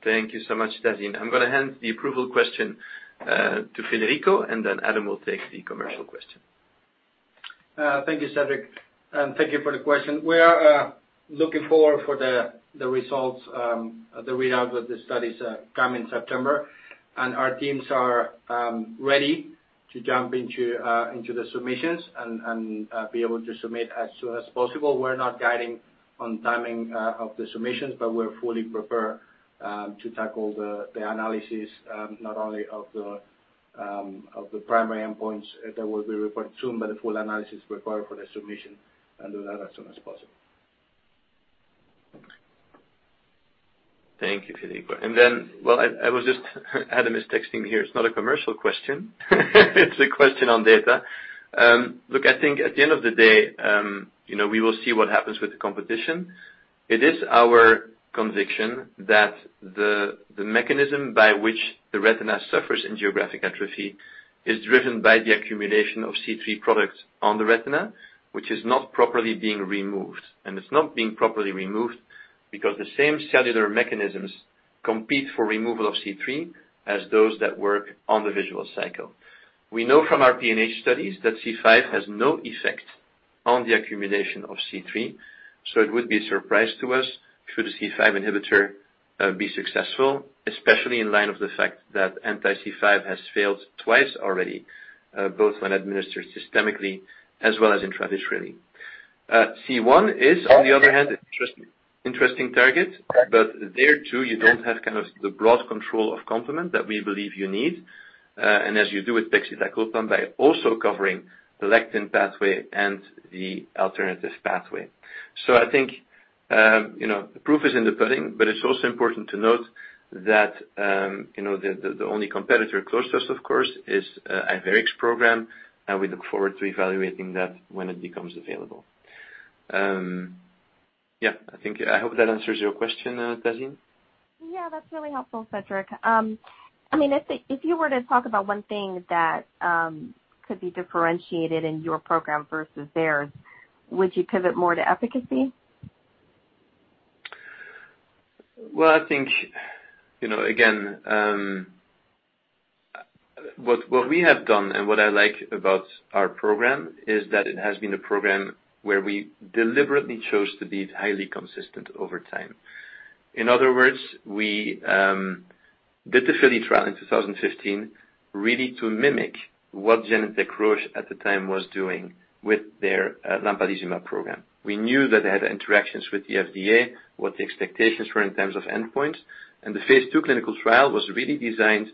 S3: Thank you so much, Tazeen. I'm going to hand the approval question to Federico and then Adam will take the commercial question.
S5: Thank you, Cedric, and thank you for the question. We are looking forward for the results, the readout of the studies coming September. Our teams are ready to jump into the submissions and be able to submit as soon as possible. We're not guiding on timing of the submissions, but we're fully prepared to tackle the analysis, not only of the primary endpoints that will be reported soon, but the full analysis required for the submission and do that as soon as possible.
S3: Thank you, Federico. Well, Adam is texting me here. It's not a commercial question. It's a question on data. Look, I think at the end of the day, we will see what happens with the competition. It is our conviction that the mechanism by which the retina suffers in geographic atrophy is driven by the accumulation of C3 products on the retina, which is not properly being removed. It's not being properly removed because the same cellular mechanisms compete for removal of C3 as those that work on the visual cycle. We know from our PNH studies that C5 has no effect on the accumulation of C3. It would be a surprise to us should a C5 inhibitor be successful, especially in line of the fact that anti-C5 has failed twice already, both when administered systemically as well as intravitreally. C1 is, on the other hand, interesting target, but there too, you don't have the broad control of complement that we believe you need. As you do with pegcetacoplan by also covering the lectin pathway and the alternative pathway. I think, the proof is in the pudding, but it's also important to note that the only competitor close to us, of course, is IVERIC's program, and we look forward to evaluating that when it becomes available. Yeah, I hope that answers your question, Tazeen.
S13: Yeah. That's really helpful, Cedric. If you were to talk about one thing that could be differentiated in your program versus theirs, would you pivot more to efficacy?
S3: Well, I think, again, what we have done and what I like about our program is that it has been a program where we deliberately chose to be highly consistent over time. In other words, we did the FILLY trial in 2015 really to mimic what Genentech, Roche at the time was doing with their lampalizumab program. We knew that they had interactions with the FDA, what the expectations were in terms of endpoints, and the phase II clinical trial was really designed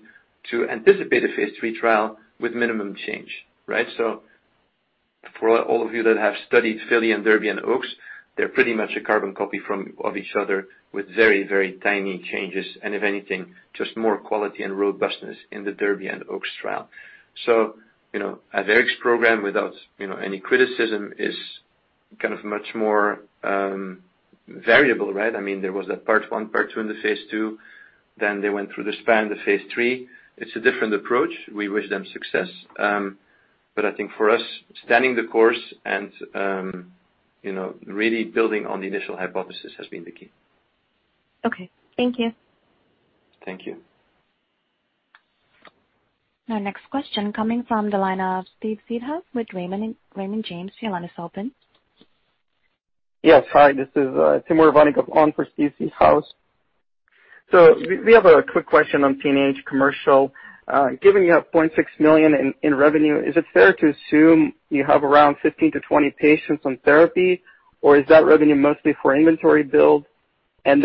S3: to anticipate a phase III trial with minimum change. Right? For all of you that have studied FILLY and DERBY and OAKS, they're pretty much a carbon copy of each other with very, very tiny changes, and if anything, just more quality and robustness in the DERBY and OAKS trial. IVERIC bio's program without any criticism is much more variable, right? There was that part 1, part 2 in the phase II. They went through the span, the phase III. It's a different approach. We wish them success. I think for us, standing the course and really building on the initial hypothesis has been the key.
S13: Okay. Thank you.
S3: Thank you.
S1: Our next question coming from the line of Steve Seedhouse with Raymond James. Your line is open.
S14: Yes. Hi, this is Timur Vilyunov on for Steve Seedhouse. We have a quick question on PNH commercial. Given you have $0.6 million in revenue, is it fair to assume you have around 15 to 20 patients on therapy? Is that revenue mostly for inventory build? In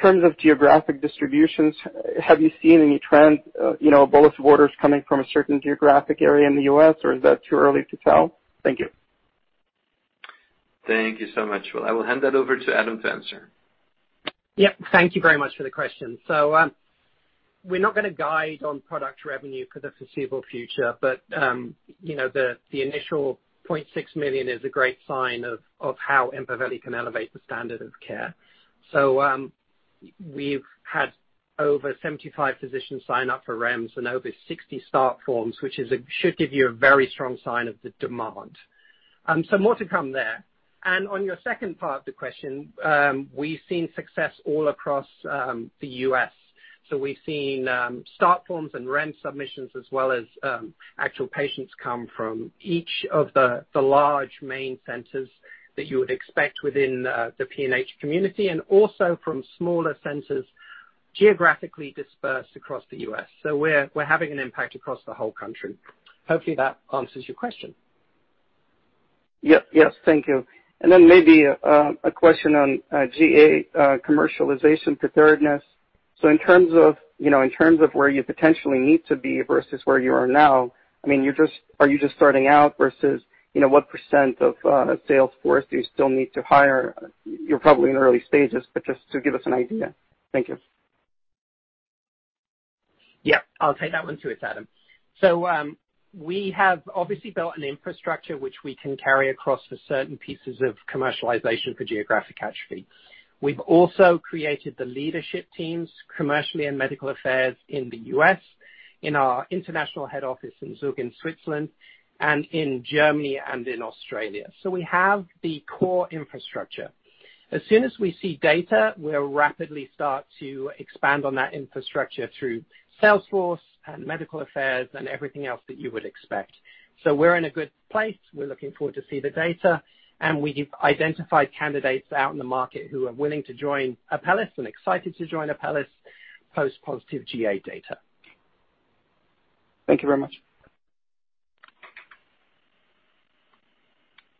S14: terms of geographic distributions, have you seen any trends, bolus of orders coming from a certain geographic area in the U.S. or is that too early to tell? Thank you.
S3: Thank you so much. Well, I will hand that over to Adam to answer.
S4: Thank you very much for the question. We are not going to guide on product revenue for the foreseeable future, but the initial $0.6 million is a great sign of how EMPAVELI can elevate the standard of care. We have had over 75 physicians sign up for REMS and over 60 start forms, which should give you a very strong sign of the demand. More to come there. On your second part of the question, we have seen success all across the U.S. We have seen start forms and REMS submissions as well as actual patients come from each of the large main centers that you would expect within the PNH community and also from smaller centers geographically dispersed across the U.S. We are having an impact across the whole country. Hopefully, that answers your question.
S14: Yes. Thank you. Maybe a question on GA commercialization preparedness. In terms of where you potentially need to be versus where you are now, are you just starting out versus what percent of sales force do you still need to hire? You're probably in early stages, just to give us an idea. Thank you.
S4: Yeah. I'll take that one too, Adam. We have obviously built an infrastructure which we can carry across for certain pieces of commercialization for geographic atrophy. We've also created the leadership teams, commercially and medical affairs in the U.S., in our international head office in Zug in Switzerland, and in Germany and in Australia. We have the core infrastructure. As soon as we see data, we'll rapidly start to expand on that infrastructure through sales force and medical affairs and everything else that you would expect. We're in a good place. We're looking forward to see the data. We've identified candidates out in the market who are willing to join Apellis and excited to join Apellis post positive GA data.
S14: Thank you very much.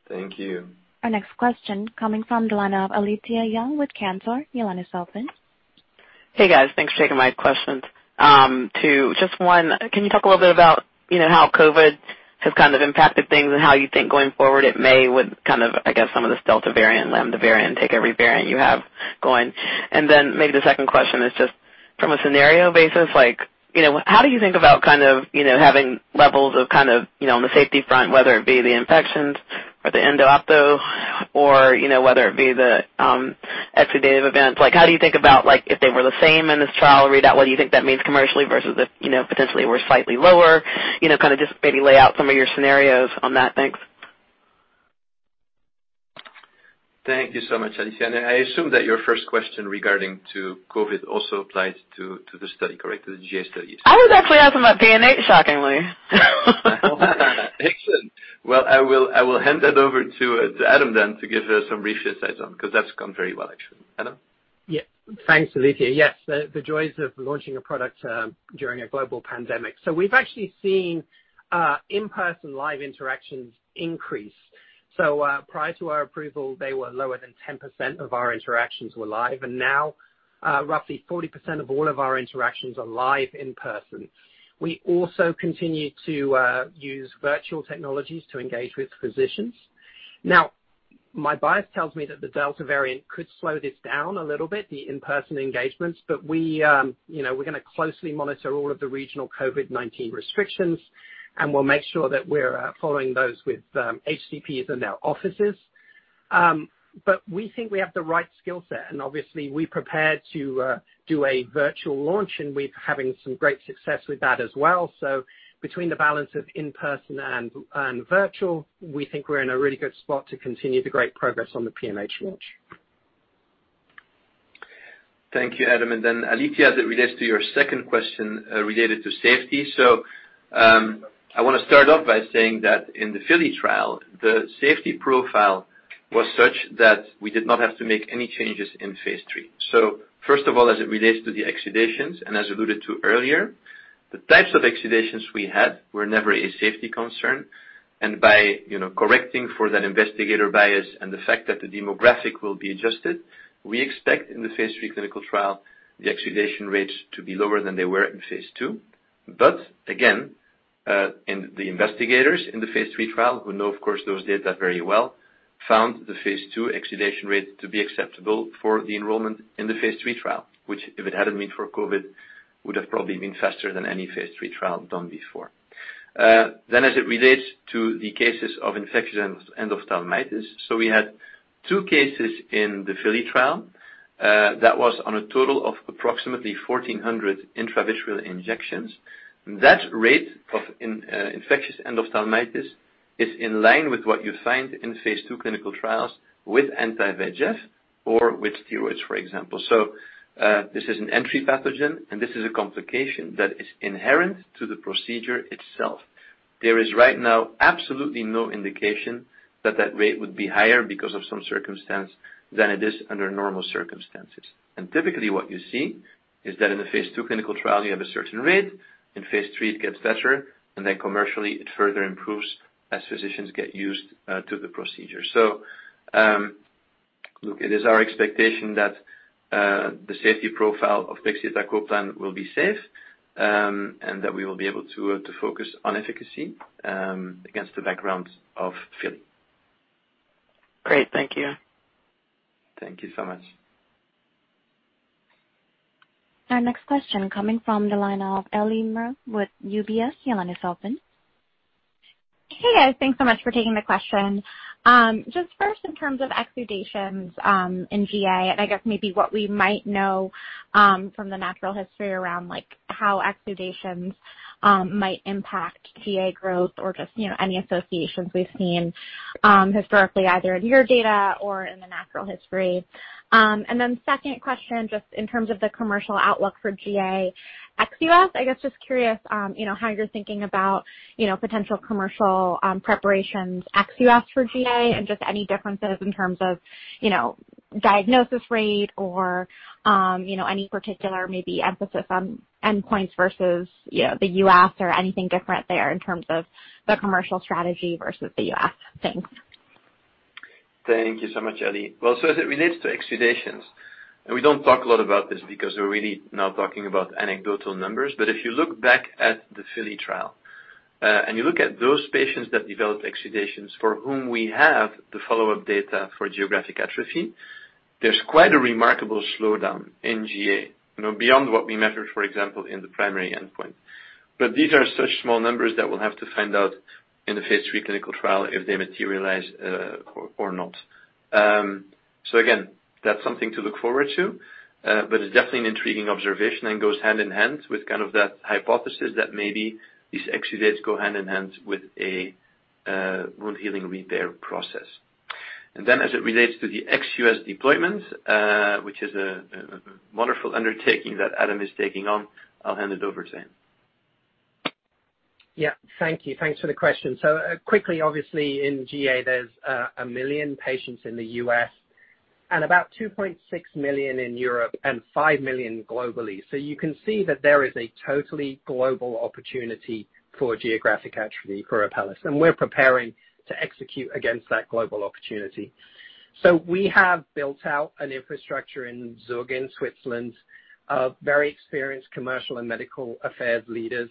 S3: Thank you.
S1: Our next question coming from the line of Alethia Young with Cantor. Your line is open.
S15: Hey, guys. Thanks for taking my questions. Can you talk a little bit about how COVID has impacted things and how you think going forward it may with, I guess, some of this Delta variant, Lambda variant, take every variant you have going. Maybe the second question is just from a scenario basis, how do you think about having levels on the safety front, whether it be the infections or the endophthalmitis, or whether it be the exudative events. How do you think about if they were the same in this trial readout, what do you think that means commercially versus if potentially were slightly lower, just maybe lay out some of your scenarios on that. Thanks.
S3: Thank you so much, Alethia. I assume that your first question regarding COVID also applies to the study, correct? The GA study.
S15: I was actually asking about PNH, shockingly.
S3: Excellent. I will hand that over to Adam then to give her some reassurance on, because that's gone very well, actually. Adam?
S4: Yeah. Thanks, Alethia. Yes, the joys of launching a product during a global pandemic. We've actually seen in-person live interactions increase. Prior to our approval, they were lower than 10% of our interactions were live. Now roughly 40% of all of our interactions are live in person. We also continue to use virtual technologies to engage with physicians. My bias tells me that the Delta variant could slow this down a little bit, the in-person engagements, but we're going to closely monitor all of the regional COVID-19 restrictions, and we'll make sure that we're following those with HCPs and their offices. We think we have the right skill set. Obviously, we prepared to do a virtual launch, and we're having some great success with that as well. Between the balance of in-person and virtual, we think we're in a really good spot to continue the great progress on the PNH launch.
S3: Thank you, Adam. Alethia, as it relates to your second question related to safety. I want to start off by saying that in the FILLY trial, the safety profile was such that we did not have to make any changes in phase III. First of all, as it relates to the exudations, and as alluded to earlier, the types of exudations we had were never a safety concern. By correcting for that investigator bias and the fact that the demographic will be adjusted, we expect in the phase III clinical trial, the exudation rates to be lower than they were in phase II. Again, the investigators in the phase III trial who know, of course, those data very well, found the phase II exudation rate to be acceptable for the enrollment in the phase III trial. If it hadn't been for COVID, would have probably been faster than any phase III trial done before. As it relates to the cases of infectious endophthalmitis. We had two cases in the FILLY trial that was on a total of approximately 1,400 intravitreal injections. That rate of infectious endophthalmitis is in line with what you find in phase II clinical trials with anti-VEGF or with steroids, for example. This is an entry pathogen, and this is a complication that is inherent to the procedure itself. There is right now absolutely no indication that that rate would be higher because of some circumstance than it is under normal circumstances. Typically, what you see is that in the phase II clinical trial, you have a certain rate. In phase III, it gets better, then commercially it further improves as physicians get used to the procedure. Look, it is our expectation that the safety profile of pegcetacoplan will be safe and that we will be able to focus on efficacy against the background of FILLY.
S15: Great. Thank you.
S3: Thank you so much.
S1: Our next question coming from the line of Ellie Merle with UBS. Your line is open.
S16: Hey, guys. Thanks so much for taking the question. Just first in terms of exudations in GA, I guess maybe what we might know from the natural history around how exudations might impact GA growth or just any associations we've seen historically, either in your data or in the natural history. Second question, just in terms of the commercial outlook for GA ex-U.S., I guess just curious how you're thinking about potential commercial preparations ex-U.S. for GA and just any differences in terms of diagnosis rate or any particular maybe emphasis on endpoints versus the U.S. or anything different there in terms of the commercial strategy versus the U.S. Thanks.
S3: Thank you so much, Ellie. As it relates to exudations, and we don't talk a lot about this because we're really now talking about anecdotal numbers. If you look back at the FILLY trial, and you look at those patients that developed exudations for whom we have the follow-up data for geographic atrophy, there's quite a remarkable slowdown in GA beyond what we measured, for example, in the primary endpoint. These are such small numbers that we'll have to find out in the phase III clinical trial if they materialize or not. Again, that's something to look forward to, but it's definitely an intriguing observation and goes hand-in-hand with that hypothesis that maybe these exudates go hand-in-hand with a wound healing repair process. As it relates to the ex U.S. deployment, which is a wonderful undertaking that Adam is taking on, I'll hand it over to him.
S4: Yeah. Thank you. Thanks for the question. Quickly, obviously in GA, there's one million patients in the U.S. and about 2.6 million in Europe and five million globally. You can see that there is a totally global opportunity for geographic atrophy for Apellis, and we're preparing to execute against that global opportunity. We have built out an infrastructure in Zug, in Switzerland, of very experienced commercial and medical affairs leaders.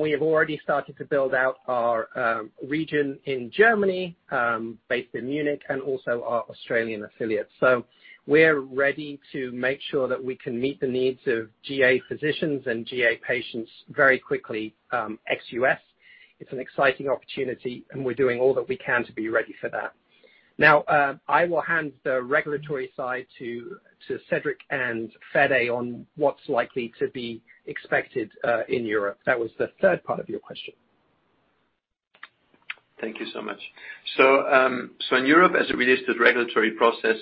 S4: We have already started to build out our region in Germany, based in Munich, and also our Australian affiliate. We're ready to make sure that we can meet the needs of GA physicians and GA patients very quickly, ex U.S. It's an exciting opportunity, and we're doing all that we can to be ready for that. I will hand the regulatory side to Cedric and Fede on what's likely to be expected in Europe. That was the third part of your question.
S3: Thank you so much. In Europe, as it relates to the regulatory process,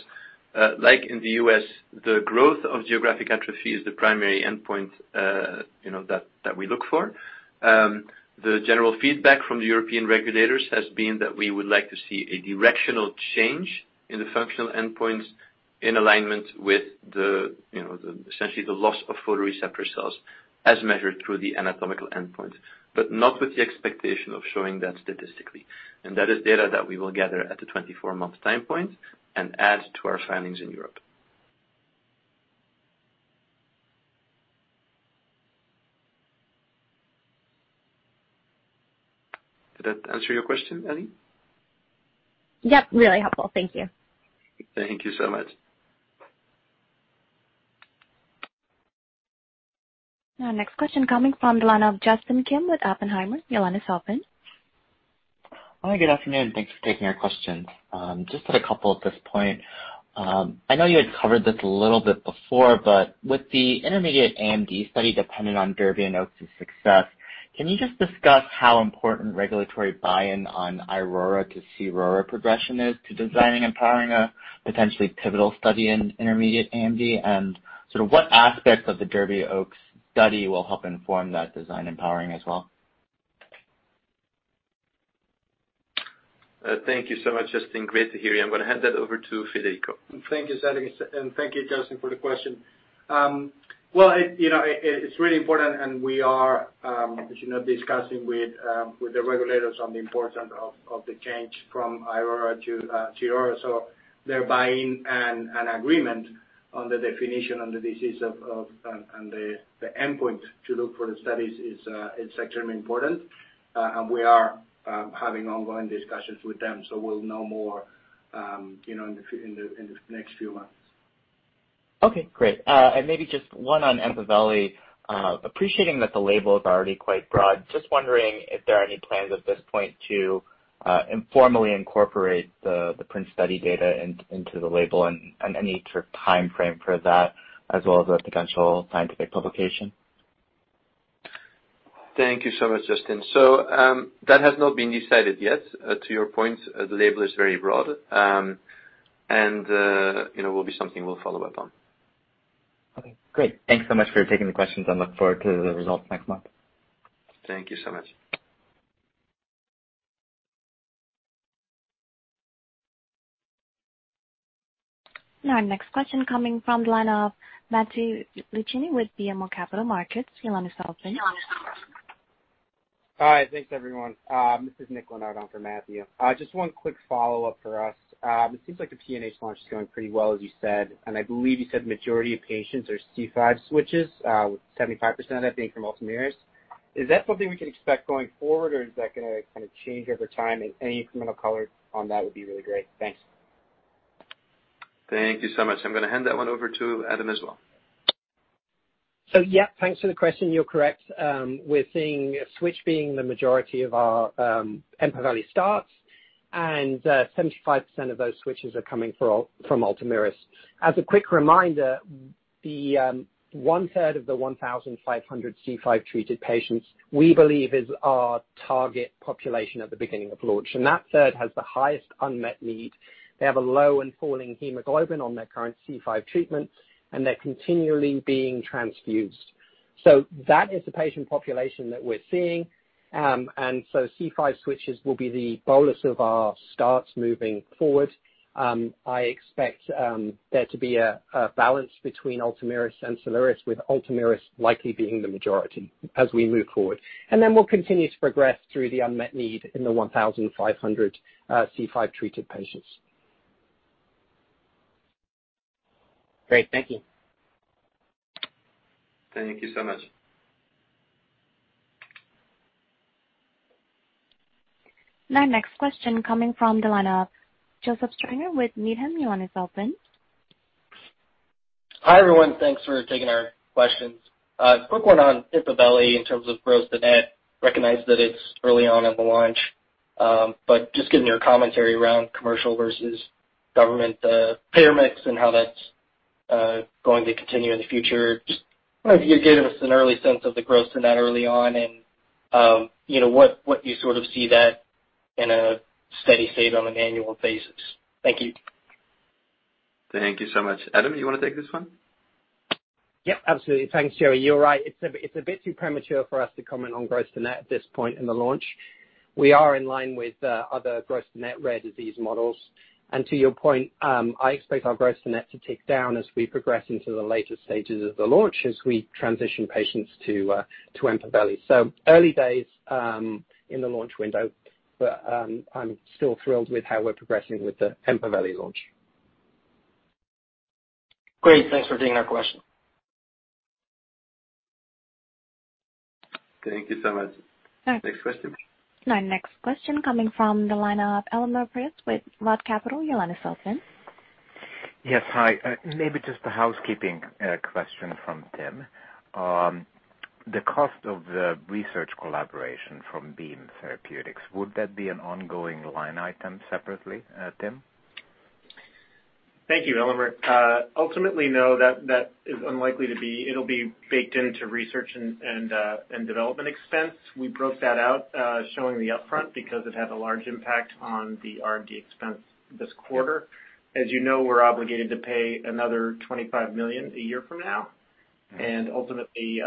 S3: like in the U.S., the growth of geographic atrophy is the primary endpoint that we look for. The general feedback from the European regulators has been that we would like to see a directional change in the functional endpoints in alignment with essentially the loss of photoreceptor cells as measured through the anatomical endpoint, but not with the expectation of showing that statistically. That is data that we will gather at the 24 month time point and add to our filings in Europe. Did that answer your question, Ellie?
S16: Yep, really helpful. Thank you.
S3: Thank you so much.
S1: Our next question coming from the line of Justin Kim with Oppenheimer. Your line is open.
S17: Hi, good afternoon. Thanks for taking our questions. Just had a couple at this point. With the intermediate AMD study depending on DERBY and OAKS' success, can you just discuss how important regulatory buy-in on iRORA to cRORA progression is to designing and powering a potentially pivotal study in intermediate AMD? Sort of what aspects of the DERBY, OAKS study will help inform that design and powering as well?
S3: Thank you so much, Justin. Great to hear you. I'm going to hand that over to Federico.
S5: Thank you, Cedric, and thank you, Justin, for the question. Well, it's really important, and we are discussing with the regulators on the importance of the change from iRORA to cRORA. Their buy-in and agreement on the definition on the disease of and the endpoint to look for the studies is extremely important. We are having ongoing discussions with them, so we'll know more in the next few months.
S17: Okay, great. Maybe just one on EMPAVELI. Appreciating that the label is already quite broad. Just wondering if there are any plans at this point to informally incorporate the PRINCE study data into the label and any sort of timeframe for that as well as a potential scientific publication.
S3: Thank you so much, Justin. That has not been decided yet. To your point, the label is very broad. Will be something we'll follow up on.
S17: Okay, great. Thanks so much for taking the questions and look forward to the results next month.
S3: Thank you so much.
S1: Our next question coming from the line of Matthew Luchini with BMO Capital Markets. Your line is open.
S18: Hi. Thanks, everyone. This is Nick Lenardo for Matthew Luchini. Just one quick follow-up for us. It seems like the PNH launch is going pretty well as you said, and I believe you said majority of patients are C5 switches, with 75% of that being from ULTOMIRIS. Is that something we can expect going forward, or is that going to change over time? Any incremental color on that would be really great. Thanks.
S3: Thank you so much. I'm going to hand that one over to Adam as well.
S4: Yeah. Thanks for the question. You're correct. We're seeing a switch being the majority of our EMPAVELI starts, and 75% of those switches are coming from ULTOMIRIS. As a quick reminder, the one-third of the 1,500 C5-treated patients we believe is our target population at the beginning of launch. That third has the highest unmet need. They have a low and falling hemoglobin on their current C5 treatment, and they're continually being transfused. That is the patient population that we're seeing. C5 switches will be the bolus of our starts moving forward. I expect there to be a balance between ULTOMIRIS and SOLIRIS, with ULTOMIRIS likely being the majority as we move forward. We'll continue to progress through the unmet need in the 1,500 C5-treated patients.
S18: Great. Thank you.
S3: Thank you so much.
S1: Our next question coming from the line of Joseph Stringer with Needham. Your line is open.
S19: Hi, everyone. Thanks for taking our questions. A quick one on EMPAVELI in terms of gross to net. Recognize that it's early on in the launch. Just give me your commentary around commercial versus government, pay mix and how that's going to continue in the future? Just wonder if you could give us an early sense of the gross to net early on and what you sort of see that in a steady state on an annual basis? Thank you.
S3: Thank you so much. Adam, you want to take this one?
S4: Yep, absolutely. Thanks, Joseph. You're right. It's a bit too premature for us to comment on gross to net at this point in the launch. We are in line with other gross to net rare disease models. To your point, I expect our gross to net to tick down as we progress into the later stages of the launch as we transition patients to EMPAVELI. Early days in the launch window, but I'm still thrilled with how we're progressing with the EMPAVELI launch.
S19: Great. Thanks for taking our question.
S3: Thank you so much. All right. Next question.
S1: Our next question coming from the line of Elemer Piros with Roth Capital Partners. Your line is open.
S20: Yes. Hi. Maybe just a housekeeping question from Tim. The cost of the research collaboration from Beam Therapeutics, would that be an ongoing line item separately, Tim?
S6: Thank you, Elemer. Ultimately, no. That is unlikely to be. It'll be baked into research and development expense. We broke that out, showing the upfront because it had a large impact on the R&D expense this quarter. As you know, we're obligated to pay another $25 million a year from now. Ultimately,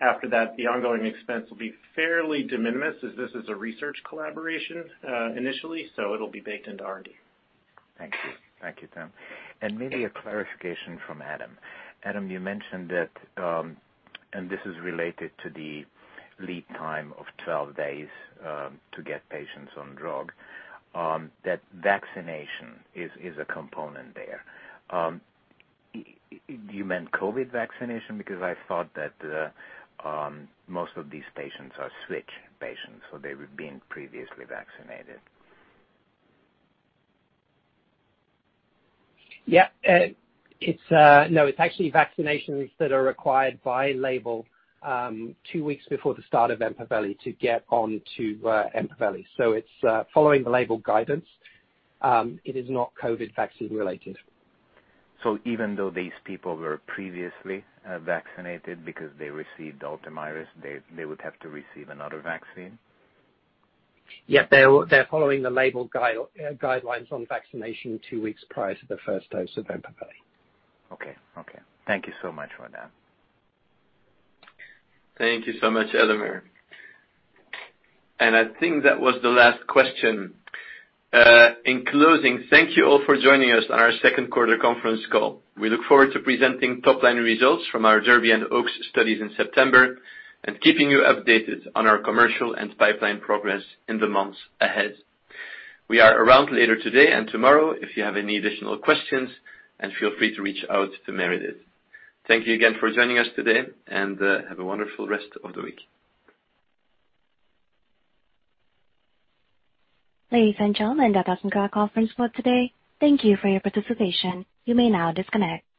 S6: after that, the ongoing expense will be fairly de minimis as this is a research collaboration initially. It'll be baked into R&D.
S20: Thank you. Thank you, Tim. Maybe a clarification from Adam. Adam, you mentioned that, and this is related to the lead time of 12 days to get patients on drug, that vaccination is a component there. You meant COVID vaccination? I thought that most of these patients are switch patients, so they've been previously vaccinated.
S4: Yeah. No. It's actually vaccinations that are required by label, two weeks before the start of EMPAVELI to get onto EMPAVELI. It's following the label guidance. It is not COVID vaccine related.
S20: Even though these people were previously vaccinated because they received ULTOMIRIS, they would have to receive another vaccine?
S4: Yep. They're following the label guidelines on vaccination two weeks prior to the first dose of EMPAVELI.
S20: Okay. Thank you so much for that.
S3: Thank you so much, Elemer. I think that was the last question. In closing, thank you all for joining us on our second quarter conference call. We look forward to presenting top-line results from our DERBY and OAKS studies in September and keeping you updated on our commercial and pipeline progress in the months ahead. We are around later today and tomorrow if you have any additional questions, and feel free to reach out to Meredith. Thank you again for joining us today, and have a wonderful rest of the week.
S1: Ladies and gentlemen, that does conclude our conference call today. Thank you for your participation. You may now disconnect.